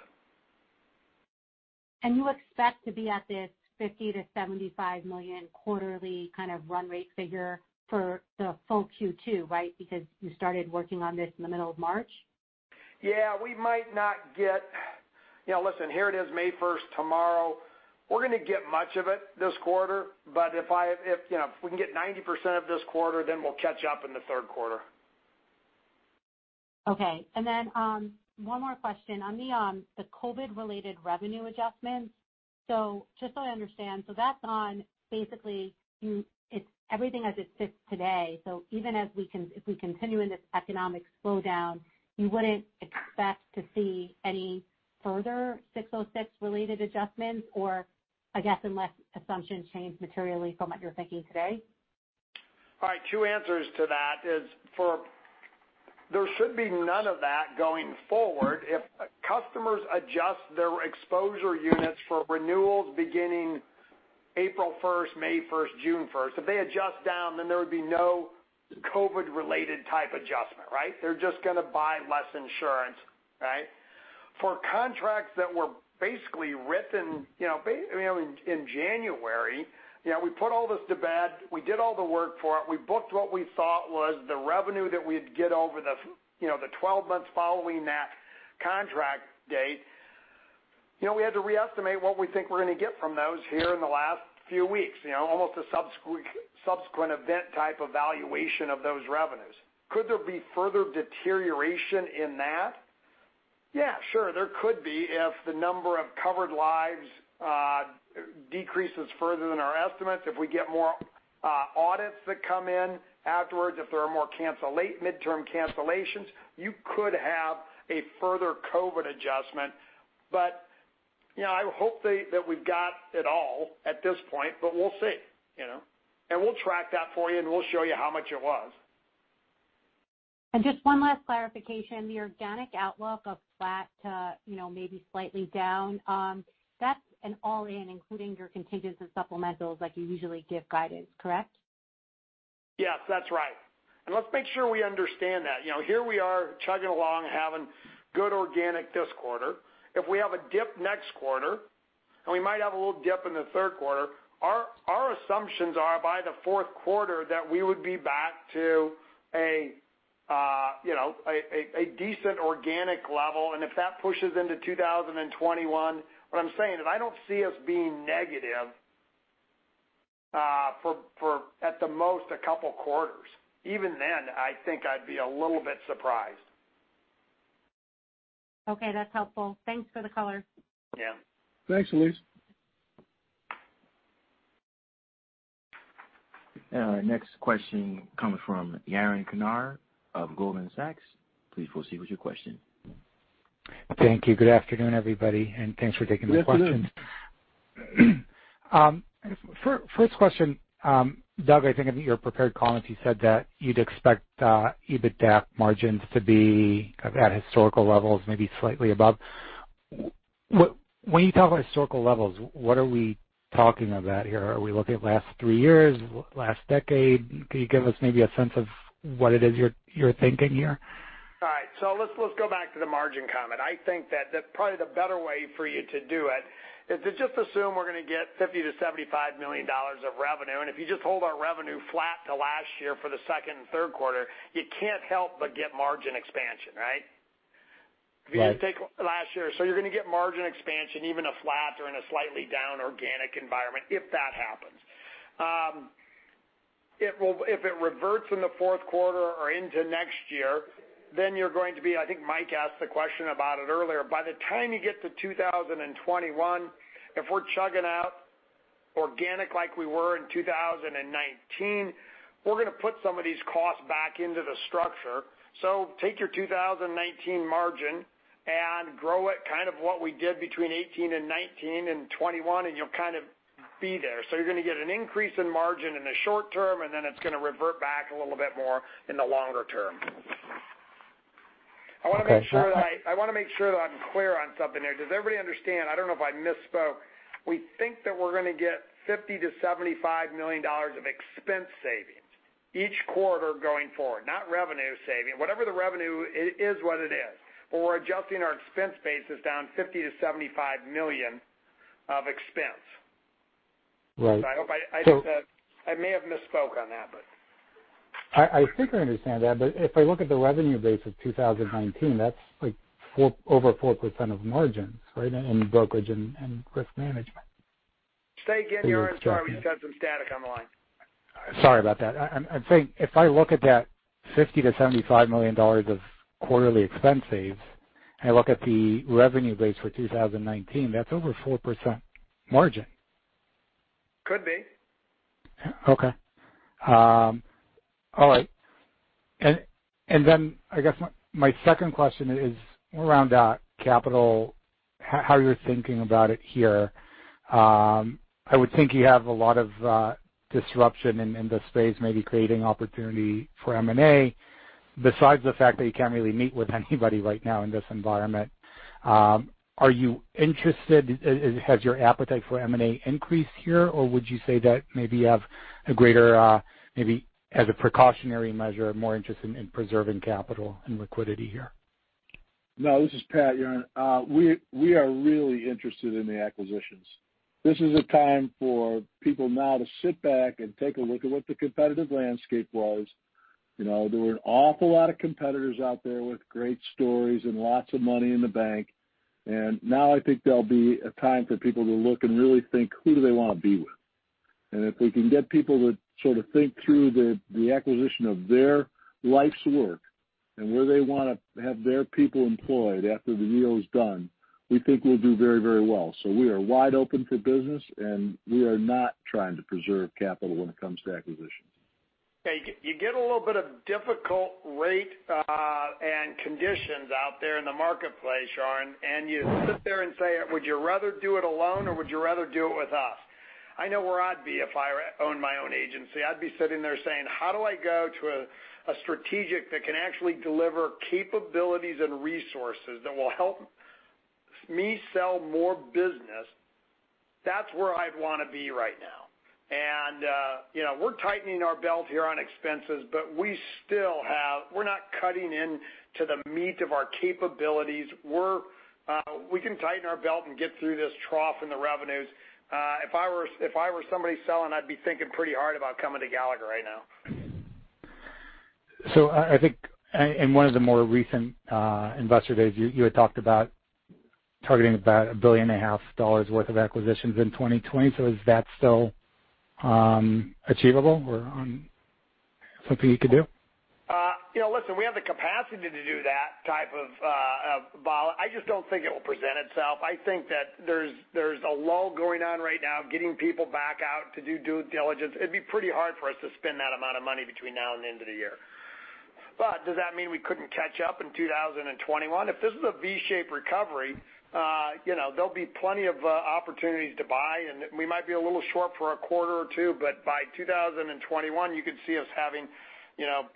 You expect to be at this $50 million-$75 million quarterly kind of run rate figure for the full Q2, right, because you started working on this in the middle of March? Yeah. We might not get, listen, here it is, May 1, tomorrow. We're going to get much of it this quarter, but if we can get 90% of this quarter, then we'll catch up in the third quarter. Okay. One more question on the COVID-related revenue adjustments. Just so I understand, that's on basically everything as it sits today. Even if we continue in this economic slowdown, you wouldn't expect to see any further 606-related adjustments, or I guess unless assumptions change materially from what you're thinking today? All right. Two answers to that is there should be none of that going forward if customers adjust their exposure units for renewals beginning April 1, May 1, June 1. If they adjust down, then there would be no COVID-related type adjustment, right? They're just going to buy less insurance, right? For contracts that were basically written in January, we put all this to bed. We did all the work for it. We booked what we thought was the revenue that we'd get over the 12 months following that contract date. We had to reestimate what we think we're going to get from those here in the last few weeks, almost a subsequent event type of valuation of those revenues. Could there be further deterioration in that? Yeah, sure. There could be if the number of covered lives decreases further than our estimates, if we get more audits that come in afterwards, if there are more midterm cancellations, you could have a further COVID adjustment. I hope that we've got it all at this point, but we'll see. We'll track that for you, and we'll show you how much it was. Just one last clarification. The organic outlook of flat to maybe slightly down, that's an all-in, including your contingents and supplementals like you usually give guidance, correct? Yes, that's right. Let's make sure we understand that. Here we are chugging along, having good organic this quarter. If we have a dip next quarter, and we might have a little dip in the third quarter, our assumptions are by the fourth quarter that we would be back to a decent organic level. If that pushes into 2021, what I'm saying is I don't see us being negative for, at the most, a couple of quarters. Even then, I think I'd be a little bit surprised. Okay. That's helpful. Thanks for the color. Yeah. Thanks, Elyse. All right. Next question comes from Yaron Kannar of Goldman Sachs. Please proceed with your question. Thank you. Good afternoon, everybody, and thanks for taking the question. First question, Doug, I think your prepared comments, you said that you'd expect EBITDA margins to be at historical levels, maybe slightly above. When you talk about historical levels, what are we talking about here? Are we looking at last three years, last decade? Can you give us maybe a sense of what it is you're thinking here? All right. Let's go back to the margin comment. I think that probably the better way for you to do it is to just assume we're going to get $50 million-$75 million of revenue. If you just hold our revenue flat to last year for the second and third quarter, you can't help but get margin expansion, right? If you just take last year, you're going to get margin expansion even in a flat or in a slightly down organic environment if that happens. If it reverts in the fourth quarter or into next year, then you're going to be—I think Mike asked the question about it earlier—by the time you get to 2021, if we're chugging out organic like we were in 2019, we're going to put some of these costs back into the structure. Take your 2019 margin and grow it kind of what we did between 2018 and 2019 and 2021, and you'll kind of be there. You're going to get an increase in margin in the short term, and then it's going to revert back a little bit more in the longer term. I want to make sure that I—I want to make sure that I'm clear on something here. Does everybody understand? I don't know if I misspoke. We think that we're going to get $50 million-$75 million of expense savings each quarter going forward, not revenue saving. Whatever the revenue is, what it is. But we're adjusting our expense basis down $50 million-$75 million of expense. I hope I may have misspoken on that. I think I understand that. If I look at the revenue base of 2019, that's over 4% of margins, right, in brokerage and risk management. Say again, Yaron. Sorry, we just had some static on the line. Sorry about that. I'm saying if I look at that $50 million-$75 million of quarterly expense saves, and I look at the revenue base for 2019, that's over 4% margin. Could be. Okay. All right. I guess my second question is around capital, how you're thinking about it here. I would think you have a lot of disruption in the space, maybe creating opportunity for M&A, besides the fact that you can't really meet with anybody right now in this environment. Are you interested? Has your appetite for M&A increased here, or would you say that maybe you have a greater, maybe as a precautionary measure, more interest in preserving capital and liquidity here? No, this is Pat, Yaron. We are really interested in the acquisitions. This is a time for people now to sit back and take a look at what the competitive landscape was. There were an awful lot of competitors out there with great stories and lots of money in the bank. I think there'll be a time for people to look and really think, "Who do they want to be with?" If we can get people to sort of think through the acquisition of their life's work and where they want to have their people employed after the deal is done, we think we'll do very, very well. We are wide open for business, and we are not trying to preserve capital when it comes to acquisitions. You get a little bit of difficult rate and conditions out there in the marketplace, Yaron, and you sit there and say, "Would you rather do it alone, or would you rather do it with us?" I know where I'd be if I owned my own agency. I'd be sitting there saying, "How do I go to a strategic that can actually deliver capabilities and resources that will help me sell more business?" That is where I'd want to be right now. We are tightening our belt here on expenses, but we still have—we are not cutting into the meat of our capabilities. We can tighten our belt and get through this trough in the revenues. If I were somebody selling, I'd be thinking pretty hard about coming to Gallagher right now. I think in one of the more recent investor days, you had talked about targeting about $1.5 billion worth of acquisitions in 2020. Is that still achievable or something you could do? Listen, we have the capacity to do that type of vol. I just do not think it will present itself. I think that there's a lull going on right now, getting people back out to do due diligence. It'd be pretty hard for us to spend that amount of money between now and the end of the year. Does that mean we couldn't catch up in 2021? If this is a V-shape recovery, there'll be plenty of opportunities to buy, and we might be a little short for a quarter or two, but by 2021, you could see us having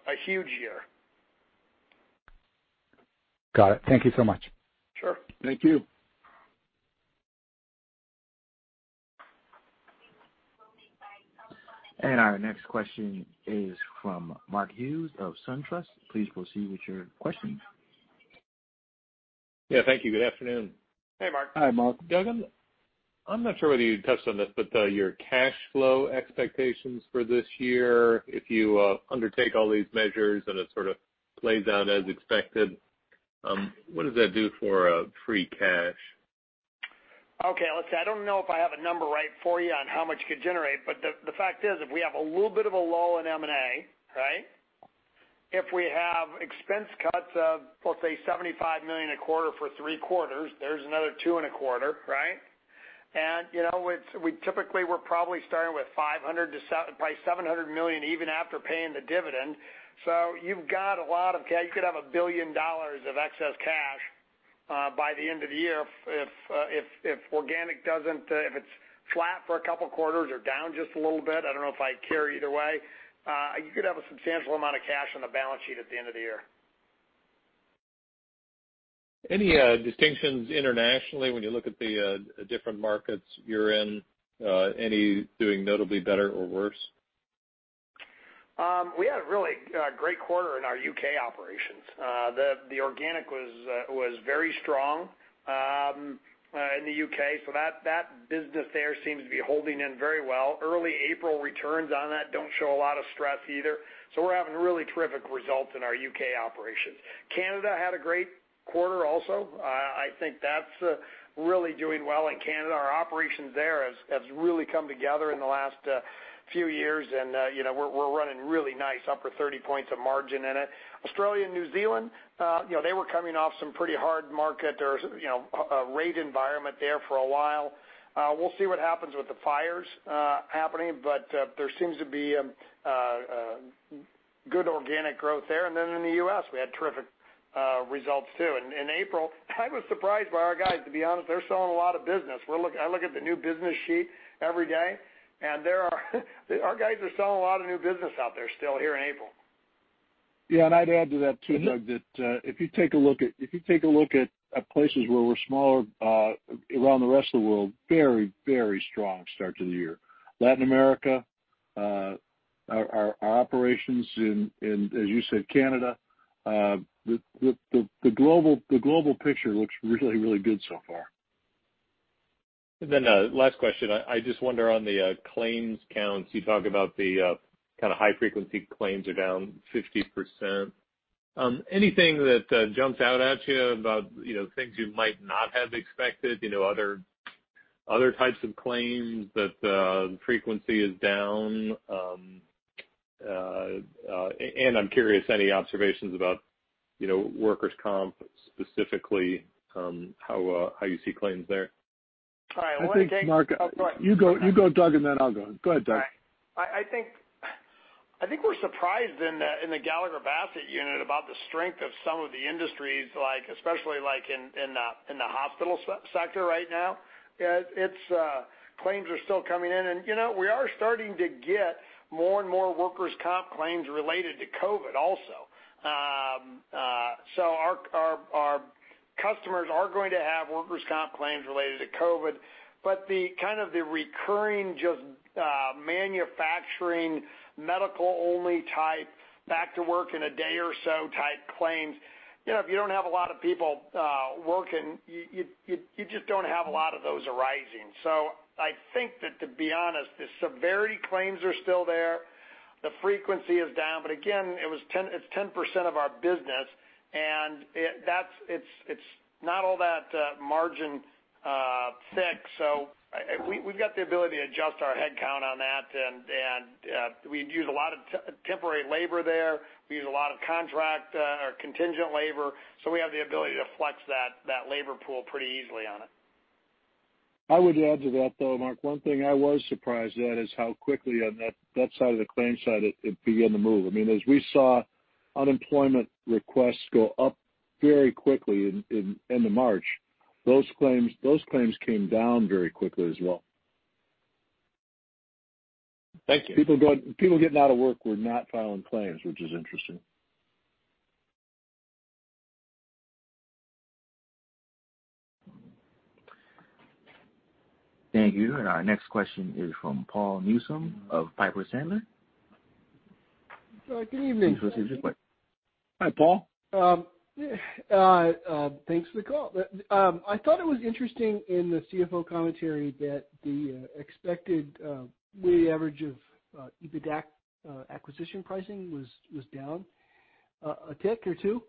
a huge year. Got it. Thank you so much. Sure. Thank you. Our next question is from Mark Hughes of SunTrust. Please proceed with your question. Yeah. Thank you. Good afternoon. Hey, Mark. Hi, Mark. Doug, I'm not sure whether you touched on this, but your cash flow expectations for this year, if you undertake all these measures and it sort of plays out as expected, what does that do for free cash? Okay. Let's see. I don't know if I have a number right for you on how much it could generate, but the fact is if we have a little bit of a lull in M&A, right, if we have expense cuts of, let's say, $75 million a quarter for three quarters, there's another $225 million, right? And typically, we're probably starting with $500 million to probably $700 million even after paying the dividend. You have a lot of cash. You could have $1 billion of excess cash by the end of the year if organic doesn't—if it's flat for a couple of quarters or down just a little bit. I don't know if I care either way. You could have a substantial amount of cash on the balance sheet at the end of the year. Any distinctions internationally when you look at the different markets you're in? Any doing notably better or worse? We had a really great quarter in our U.K. operations. The organic was very strong in the U.K. That business there seems to be holding in very well. Early April returns on that do not show a lot of stress either. We are having really terrific results in our U.K. operations. Canada had a great quarter also. I think that is really doing well in Canada. Our operations there have really come together in the last few years, and we are running really nice upper 30 points of margin in it. Australia and New Zealand, they were coming off some pretty hard market or rate environment there for a while. We'll see what happens with the fires happening, but there seems to be good organic growth there. In the U.S., we had terrific results too. In April, I was surprised by our guys, to be honest. They're selling a lot of business. I look at the new business sheet every day, and our guys are selling a lot of new business out there still here in April. Yeah. I'd add to that too, Doug, that if you take a look at—if you take a look at places where we're smaller around the rest of the world, very, very strong start to the year. Latin America, our operations in, as you said, Canada. The global picture looks really, really good so far. Last question. I just wonder on the claims counts. You talk about the kind of high-frequency claims are down 50%. Anything that jumps out at you about things you might not have expected, other types of claims that the frequency is down? I'm curious, any observations about workers' comp specifically, how you see claims there? I think—I think Mark, you go, Doug, and then I'll go. Go ahead, Doug. I think we're surprised in the Gallagher Bassett unit about the strength of some of the industries, especially in the hospital sector right now. Claims are still coming in, and we are starting to get more and more workers' comp claims related to COVID also. Our customers are going to have workers' comp claims related to COVID. Kind of the recurring just manufacturing medical-only type back-to-work-in-a-day-or-so type claims, if you do not have a lot of people working, you just do not have a lot of those arising. I think that, to be honest, the severity claims are still there. The frequency is down. Again, it is 10% of our business, and it is not all that margin thick. We have the ability to adjust our headcount on that, and we use a lot of temporary labor there. We use a lot of contract or contingent labor. We have the ability to flex that labor pool pretty easily on it. I would add to that, though, Mark, one thing I was surprised at is how quickly on that side of the claim side it began to move. I mean, as we saw unemployment requests go up very quickly in March, those claims came down very quickly as well. Thank you. People getting out of work were not filing claims, which is interesting. Thank you. Our next question is from Paul Newsome of Piper Sandler. Good evening. Hi, Paul. Thanks for the call. I thought it was interesting in the CFO commentary that the expected weighted average of EBITDA acquisition pricing was down a tick or two.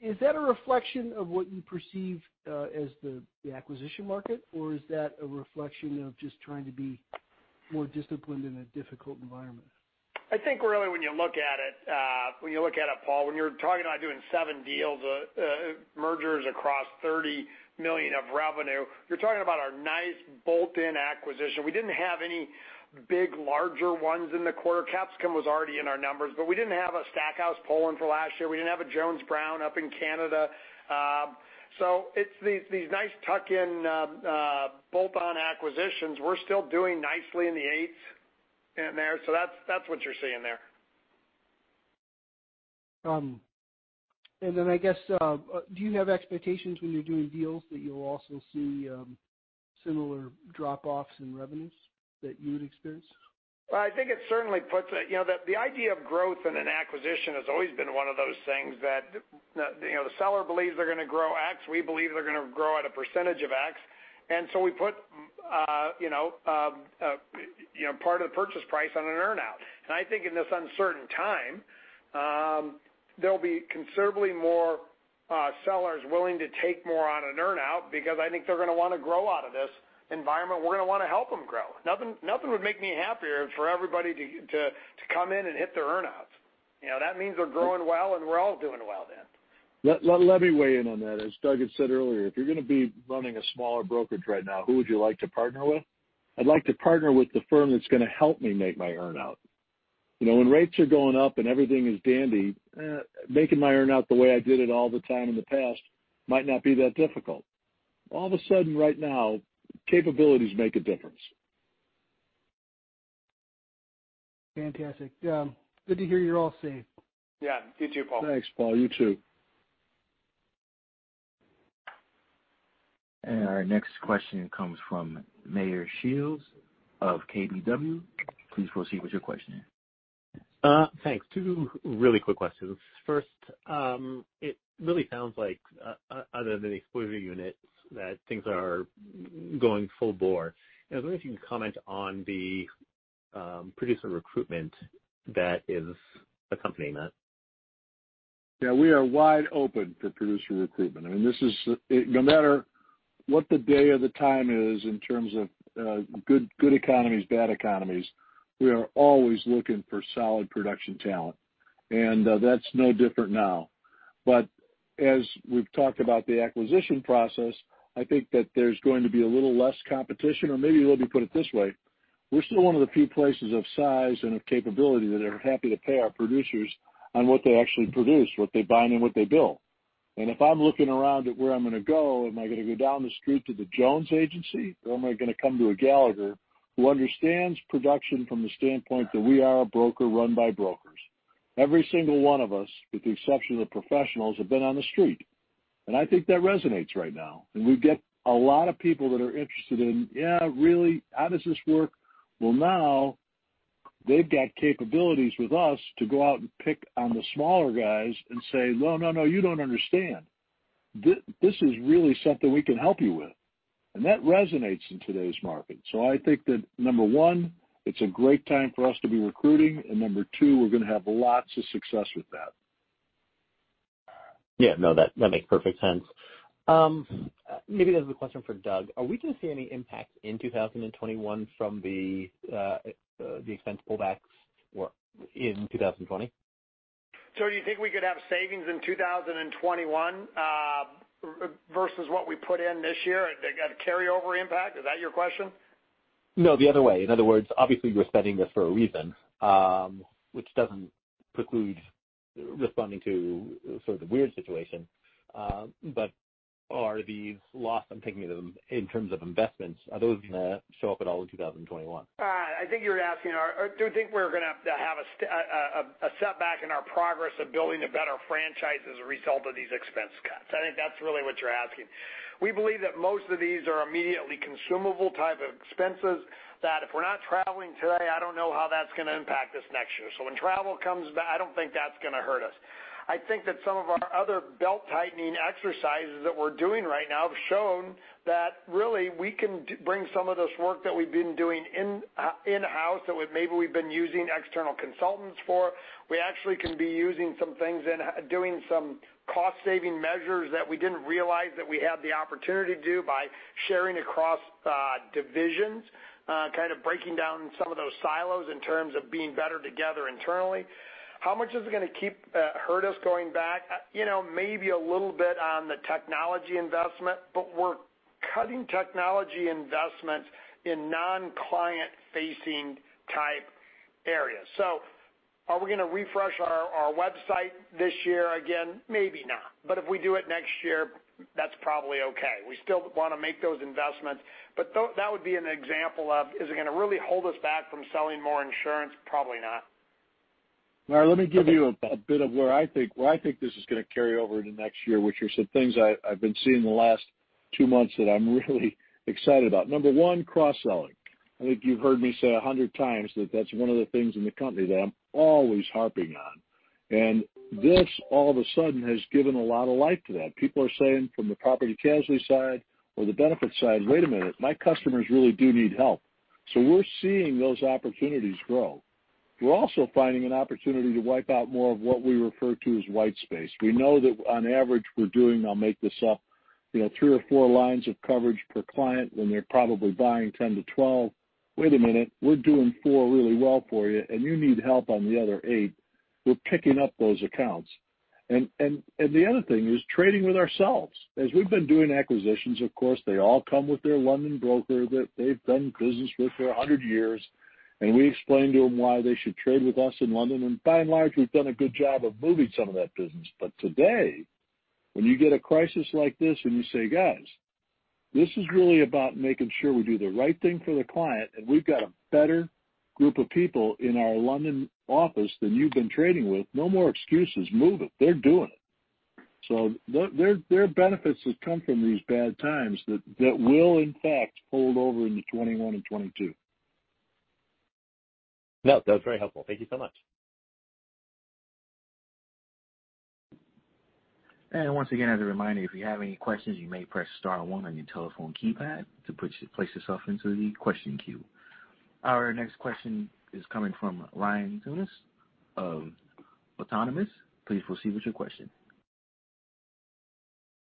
Is that a reflection of what you perceive as the acquisition market, or is that a reflection of just trying to be more disciplined in a difficult environment? I think really when you look at it, Paul, when you're talking about doing seven deals, mergers across $30 million of revenue, you're talking about a nice bolt-in acquisition. We didn't have any big larger ones in the quarter. Capscom was already in our numbers, but we didn't have a Stackhouse Poland for last year. We didn't have a Jones Brown up in Canada. It's these nice tuck-in bolt-on acquisitions. We're still doing nicely in the eighth in there. That's what you're seeing there. I guess, do you have expectations when you're doing deals that you'll also see similar drop-offs in revenues that you would experience? I think it certainly puts the idea of growth in an acquisition has always been one of those things that the seller believes they're going to grow X. We believe they're going to grow at a percentage of X. We put part of the purchase price on an earnout. I think in this uncertain time, there'll be considerably more sellers willing to take more on an earnout because I think they're going to want to grow out of this environment. We're going to want to help them grow. Nothing would make me happier for everybody to come in and hit their earnouts. That means they're growing well, and we're all doing well then. Let me weigh in on that. As Doug had said earlier, if you're going to be running a smaller brokerage right now, who would you like to partner with? I'd like to partner with the firm that's going to help me make my earnout. When rates are going up and everything is dandy, making my earnout the way I did it all the time in the past might not be that difficult. All of a sudden right now, capabilities make a difference. Fantastic. Good to hear you're all safe. Yeah. You too, Paul. Thanks, Paul. You too. Our next question comes from Meyer Shields of KBW. Please proceed with your question. Thanks. Two really quick questions. First, it really sounds like, other than the exposure unit, that things are going full bore. I was wondering if you can comment on the producer recruitment that is accompanying that. Yeah. We are wide open for producer recruitment. I mean, no matter what the day or the time is in terms of good economies, bad economies, we are always looking for solid production talent. That's no different now. As we've talked about the acquisition process, I think that there's going to be a little less competition, or maybe let me put it this way. This is really something we can help you with. That resonates in today's market. I think that, number one, it's a great time for us to be recruiting. Number two, we're going to have lots of success with that. Yeah. No, that makes perfect sense. Maybe this is a question for Doug. Are we going to see any impact in 2021 from the expense pullbacks in 2020? Do you think we could have savings in 2021 versus what we put in this year? They got a carryover impact. Is that your question? No, the other way. In other words, obviously, you're spending this for a reason, which doesn't preclude responding to sort of the weird situation. Are these loss—I'm thinking of them in terms of investments—are those going to show up at all in 2021? I think you're asking, do you think we're going to have a setback in our progress of building a better franchise as a result of these expense cuts? I think that's really what you're asking. We believe that most of these are immediately consumable type of expenses that if we're not traveling today, I don't know how that's going to impact us next year. When travel comes back, I don't think that's going to hurt us. I think that some of our other belt-tightening exercises that we're doing right now have shown that really we can bring some of this work that we've been doing in-house that maybe we've been using external consultants for. We actually can be using some things and doing some cost-saving measures that we did not realize that we had the opportunity to do by sharing across divisions, kind of breaking down some of those silos in terms of being better together internally. How much is it going to hurt us going back? Maybe a little bit on the technology investment, but we are cutting technology investments in non-client-facing type areas. Are we going to refresh our website this year again? Maybe not. If we do it next year, that is probably okay. We still want to make those investments. That would be an example of, is it going to really hold us back from selling more insurance? Probably not. Let me give you a bit of where I think this is going to carry over into next year, which are some things I've been seeing the last two months that I'm really excited about. Number one, cross-selling. I think you've heard me say a hundred times that that's one of the things in the company that I'm always harping on. This all of a sudden has given a lot of light to that. People are saying from the property casualty side or the benefit side, "Wait a minute. My customers really do need help." We're seeing those opportunities grow. We're also finding an opportunity to wipe out more of what we refer to as white space. We know that on average we're doing—I’ll make this up—three or four lines of coverage per client when they're probably buying 10 to 12. Wait a minute. We're doing four really well for you, and you need help on the other eight. We're picking up those accounts. The other thing is trading with ourselves. As we've been doing acquisitions, of course, they all come with their London broker that they've done business with for a hundred years. We explain to them why they should trade with us in London. By and large, we've done a good job of moving some of that business. Today, when you get a crisis like this and you say, "Guys, this is really about making sure we do the right thing for the client, and we've got a better group of people in our London office than you've been trading with, no more excuses. Move it. They're doing it." Their benefits have come from these bad times that will, in fact, hold over into 2021 and 2022. No, that was very helpful. Thank you so much. Once again, as a reminder, if you have any questions, you may press star one on your telephone keypad to place yourself into the question queue. Our next question is coming from Ryan Tunis of Autonomous. Please proceed with your question.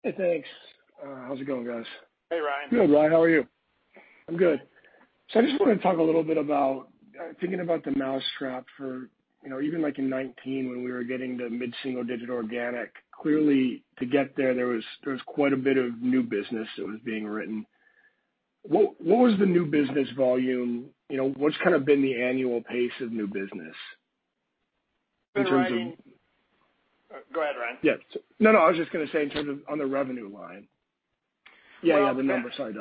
Hey, thanks. How's it going, guys? Hey, Ryan. Good, Ryan. How are you? I'm good. I just want to talk a little bit about thinking about the mousetrap for even in 2019 when we were getting the mid-single-digit organic. Clearly, to get there, there was quite a bit of new business that was being written. What was the new business volume? What's kind of been the annual pace of new business in terms of— Go ahead, Ryan. Yeah. No, no. I was just going to say in terms of on the revenue line. Yeah, yeah. The numbers. Sorry,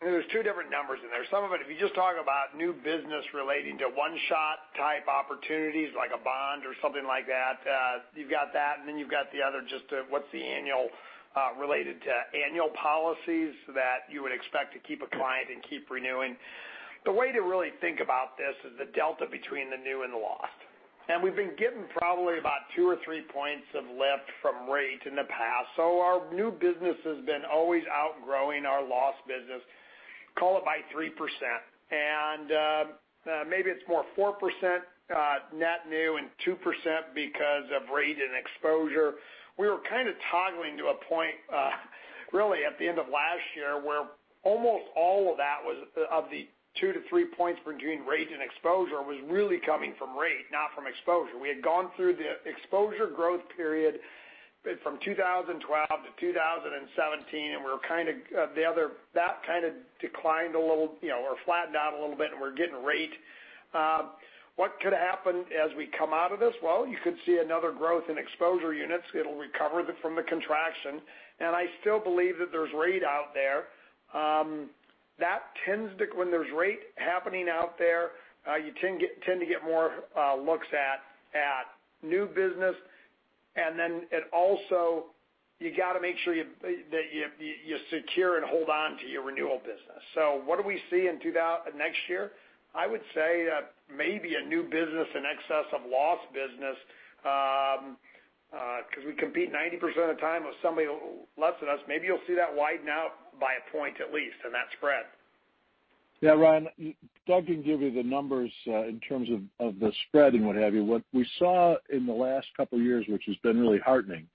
Doug. There are two different numbers in there. Some of it, if you just talk about new business relating to one-shot type opportunities like a bond or something like that, you have that. Then you have the other, just what is the annual related to annual policies that you would expect to keep a client and keep renewing. The way to really think about this is the delta between the new and the lost. We have been given probably about two or three points of lift from rate in the past. Our new business has always outgrown our lost business, call it by 3%. Maybe it is more 4% net new and 2% because of rate and exposure. We were kind of toggling to a point really at the end of last year where almost all of that was of the two to three points between rate and exposure was really coming from rate, not from exposure. We had gone through the exposure growth period from 2012 to 2017, and we were kind of that kind of declined a little or flattened out a little bit, and we're getting rate. What could happen as we come out of this? You could see another growth in exposure units. It'll recover from the contraction. I still believe that there's rate out there. That tends to—when there's rate happening out there, you tend to get more looks at new business. It also—you got to make sure that you secure and hold on to your renewal business. What do we see in next year? I would say maybe a new business in excess of lost business because we compete 90% of the time with somebody less than us. Maybe you'll see that widen out by a point at least in that spread. Yeah, Ryan. Doug can give you the numbers in terms of the spread and what have you. What we saw in the last couple of years, which has been really heartening,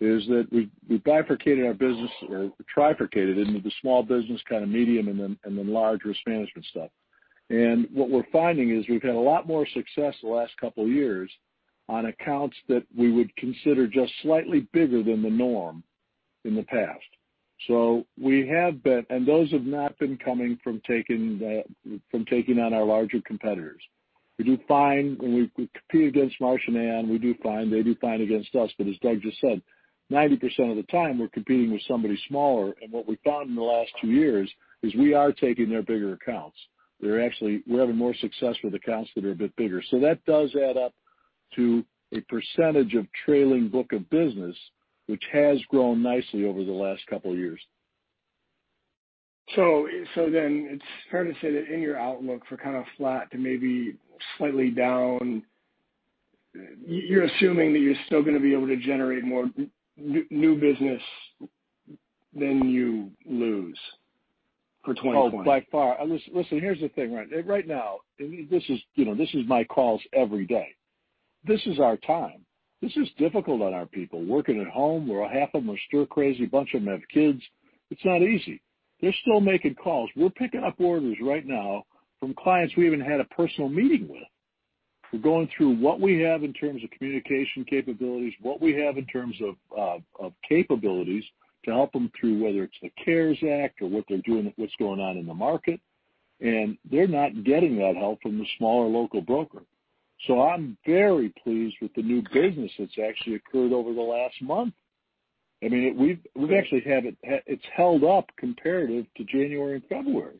is that we bifurcated our business or trifurcated into the small business, kind of medium, and then larger risk management stuff. What we're finding is we've had a lot more success the last couple of years on accounts that we would consider just slightly bigger than the norm in the past. We have been—and those have not been coming from taking on our larger competitors. We do find—when we compete against Marsh and Aon, we do find—they do find against us. As Doug just said, 90% of the time we're competing with somebody smaller. What we found in the last two years is we are taking their bigger accounts. We're having more success with accounts that are a bit bigger. That does add up to a percentage of trailing book of business, which has grown nicely over the last couple of years. It is fair to say that in your outlook for kind of flat to maybe slightly down, you're assuming that you're still going to be able to generate more new business than you lose for 2020? Oh, by far. Listen, here's the thing, Ryan. Right now, this is my calls every day. This is our time. This is difficult on our people working at home. Half of them are stir crazy. A bunch of them have kids. It's not easy. They're still making calls. We're picking up orders right now from clients we even had a personal meeting with. We're going through what we have in terms of communication capabilities, what we have in terms of capabilities to help them through whether it's the CARES Act or what they're doing, what's going on in the market. They're not getting that help from the smaller local broker. I am very pleased with the new business that's actually occurred over the last month. I mean, we've actually had it—it's held up comparative to January and February,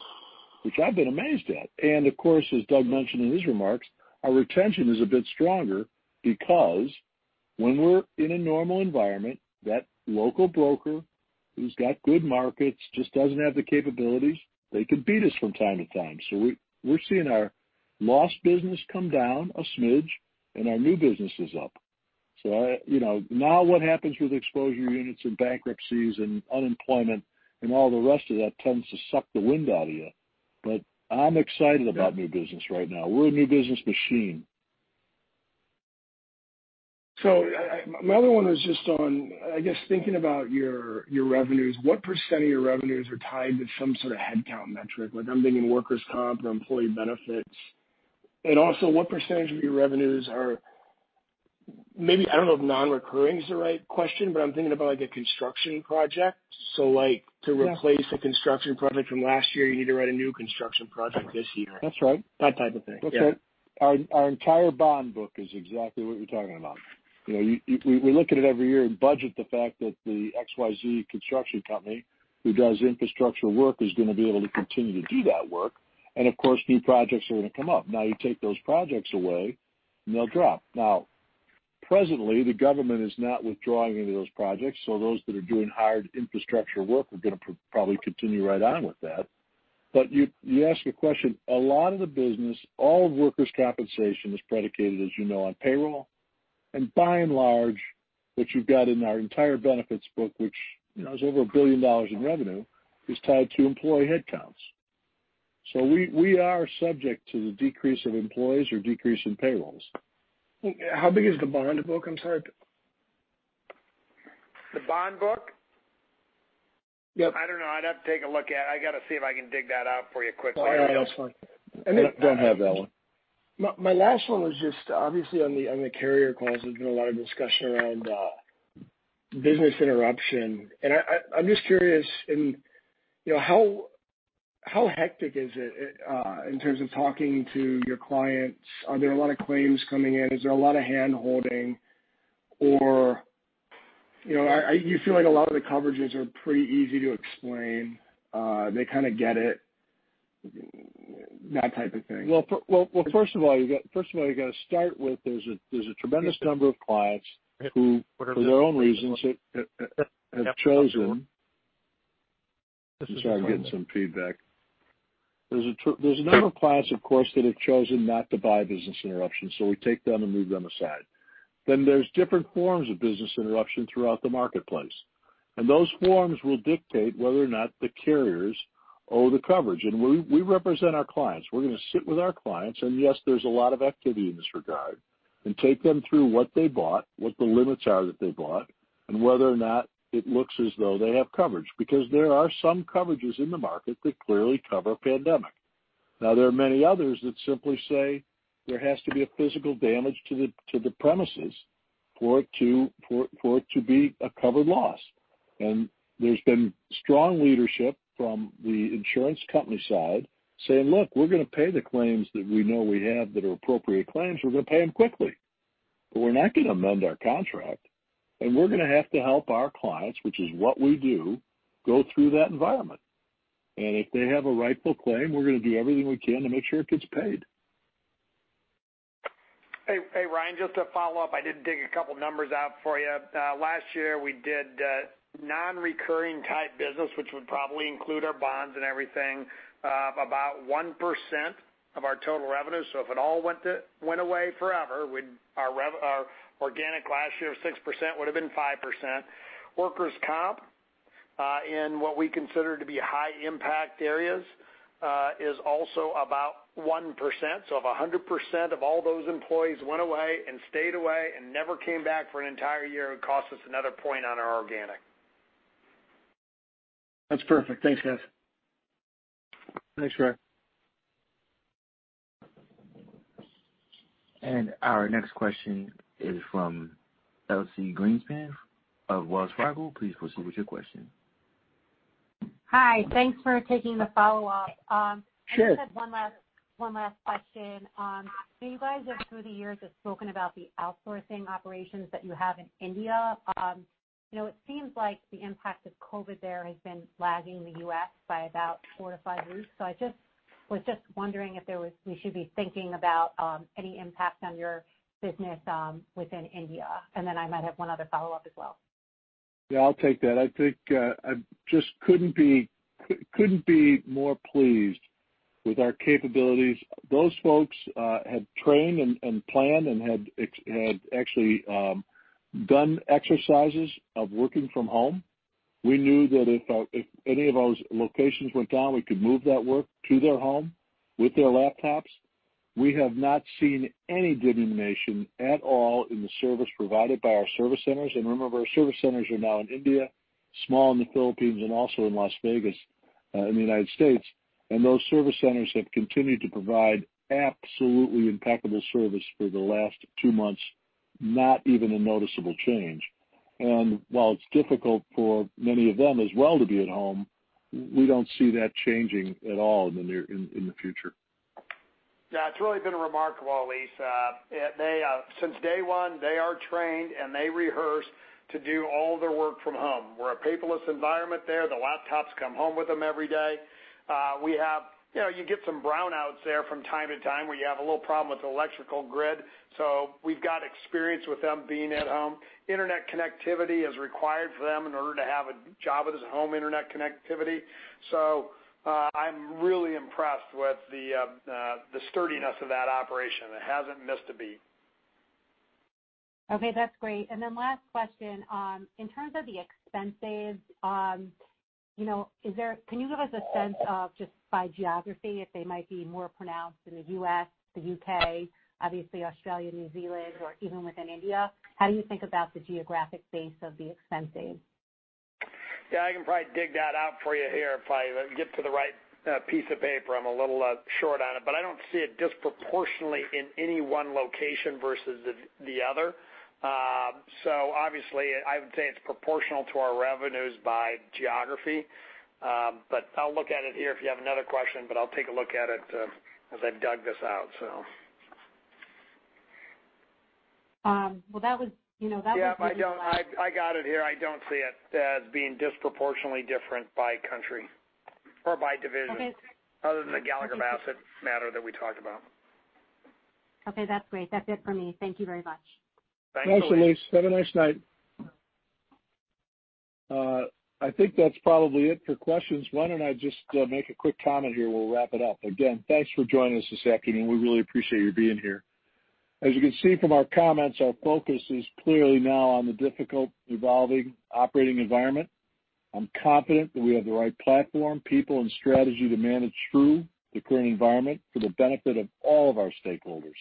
which I've been amazed at. Of course, as Doug mentioned in his remarks, our retention is a bit stronger because when we're in a normal environment, that local broker who's got good markets just doesn't have the capabilities. They can beat us from time to time. We're seeing our lost business come down a smidge, and our new business is up. Now what happens with exposure units and bankruptcies and unemployment and all the rest of that tends to suck the wind out of you. I'm excited about new business right now. We're a new business machine. My other one is just on, I guess, thinking about your revenues. What % of your revenues are tied to some sort of headcount metric? I'm thinking workers' comp or employee benefits. Also, what % of your revenues are—maybe I don't know if non-recurring is the right question, but I'm thinking about a construction project. To replace a construction project from last year, you need to write a new construction project this year. That's right. That type of thing. That's right. Our entire bond book is exactly what you're talking about. We look at it every year and budget the fact that the XYZ construction company who does infrastructure work is going to be able to continue to do that work. Of course, new projects are going to come up. You take those projects away, and they'll drop. Presently, the government is not withdrawing any of those projects. Those that are doing hired infrastructure work are going to probably continue right on with that. You ask a question. A lot of the business, all workers' compensation is predicated, as you know, on payroll. By and large, what you've got in our entire benefits book, which is over $1 billion in revenue, is tied to employee headcounts. We are subject to the decrease of employees or decrease in payrolls. How big is the bond book? I'm sorry. The bond book? Yep. I don't know. I'd have to take a look at it. I got to see if I can dig that out for you quickly. Oh, yeah. That's fine. Don't have that one. My last one was just obviously on the carrier calls. There's been a lot of discussion around business interruption. I'm just curious, how hectic is it in terms of talking to your clients? Are there a lot of claims coming in? Is there a lot of hand-holding? Or you feel like a lot of the coverages are pretty easy to explain? They kind of get it? That type of thing. First of all, you got to start with there's a tremendous number of clients who, for their own reasons, have chosen—let's try to get some feedback. There's a number of clients, of course, that have chosen not to buy business interruptions. We take them and move them aside. There are different forms of business interruption throughout the marketplace. Those forms will dictate whether or not the carriers owe the coverage. We represent our clients. We're going to sit with our clients. Yes, there's a lot of activity in this regard. We take them through what they bought, what the limits are that they bought, and whether or not it looks as though they have coverage. There are some coverages in the market that clearly cover pandemic. There are many others that simply say there has to be a physical damage to the premises for it to be a covered loss. There has been strong leadership from the insurance company side saying, "Look, we're going to pay the claims that we know we have that are appropriate claims. We're going to pay them quickly. We're not going to amend our contract. We're going to have to help our clients, which is what we do, go through that environment. If they have a rightful claim, we're going to do everything we can to make sure it gets paid." Hey, Ryan, just to follow up, I did dig a couple of numbers out for you. Last year, we did non-recurring type business, which would probably include our bonds and everything, about 1% of our total revenue. If it all went away forever, our organic last year of 6% would have been 5%. Workers' comp in what we consider to be high-impact areas is also about 1%. If 100% of all those employees went away and stayed away and never came back for an entire year, it would cost us another point on our organic. That's perfect. Thanks, guys. Thanks, Ryan. Our next question is from Elsie Greenspan of Wells Fargo. Please proceed with your question. Hi. Thanks for taking the follow-up. I just had one last question. You guys have, through the years, spoken about the outsourcing operations that you have in India. It seems like the impact of COVID there has been lagging the U.S. by about four to five weeks. I was just wondering if we should be thinking about any impact on your business within India. I might have one other follow-up as well. Yeah, I'll take that. I just couldn't be more pleased with our capabilities. Those folks had trained and planned and had actually done exercises of working from home. We knew that if any of those locations went down, we could move that work to their home with their laptops. We have not seen any diminution at all in the service provided by our service centers. Remember, our service centers are now in India, small in the Philippines, and also in Las Vegas in the United States. Those service centers have continued to provide absolutely impeccable service for the last two months, not even a noticeable change. While it is difficult for many of them as well to be at home, we do not see that changing at all in the near future. Yeah, it has really been remarkable, Lisa. Since day one, they are trained, and they rehearse to do all their work from home. We are a paperless environment there. The laptops come home with them every day. You get some brownouts there from time to time where you have a little problem with the electrical grid. We have got experience with them being at home. Internet connectivity is required for them in order to have a job with this home internet connectivity. I am really impressed with the sturdiness of that operation. It has not missed a beat. Okay, that is great. Last question. In terms of the expenses, can you give us a sense of just by geography if they might be more pronounced in the U.S., the U.K., obviously Australia, New Zealand, or even within India? How do you think about the geographic base of the expenses? I can probably dig that out for you here if I get to the right piece of paper. I am a little short on it. I don't see it disproportionately in any one location versus the other. Obviously, I would say it's proportional to our revenues by geography. I'll look at it here if you have another question, but I'll take a look at it as I've dug this out. That was—yeah, I got it here. I don't see it as being disproportionately different by country or by division other than the Gallagher Bassett matter that we talked about. Okay, that's great. That's it for me. Thank you very much. Thanks a lot. Thanks for this. Have a nice night. I think that's probably it for questions. Why don't I just make a quick comment here? We'll wrap it up. Again, thanks for joining us this afternoon. We really appreciate your being here. As you can see from our comments, our focus is clearly now on the difficult, evolving operating environment. I'm confident that we have the right platform, people, and strategy to manage through the current environment for the benefit of all of our stakeholders: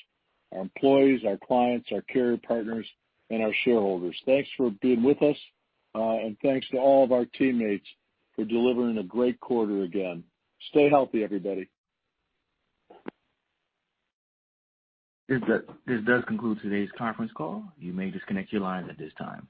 our employees, our clients, our carrier partners, and our shareholders. Thanks for being with us. Thanks to all of our teammates for delivering a great quarter again. Stay healthy, everybody. This does conclude today's conference call. You may disconnect your lines at this time.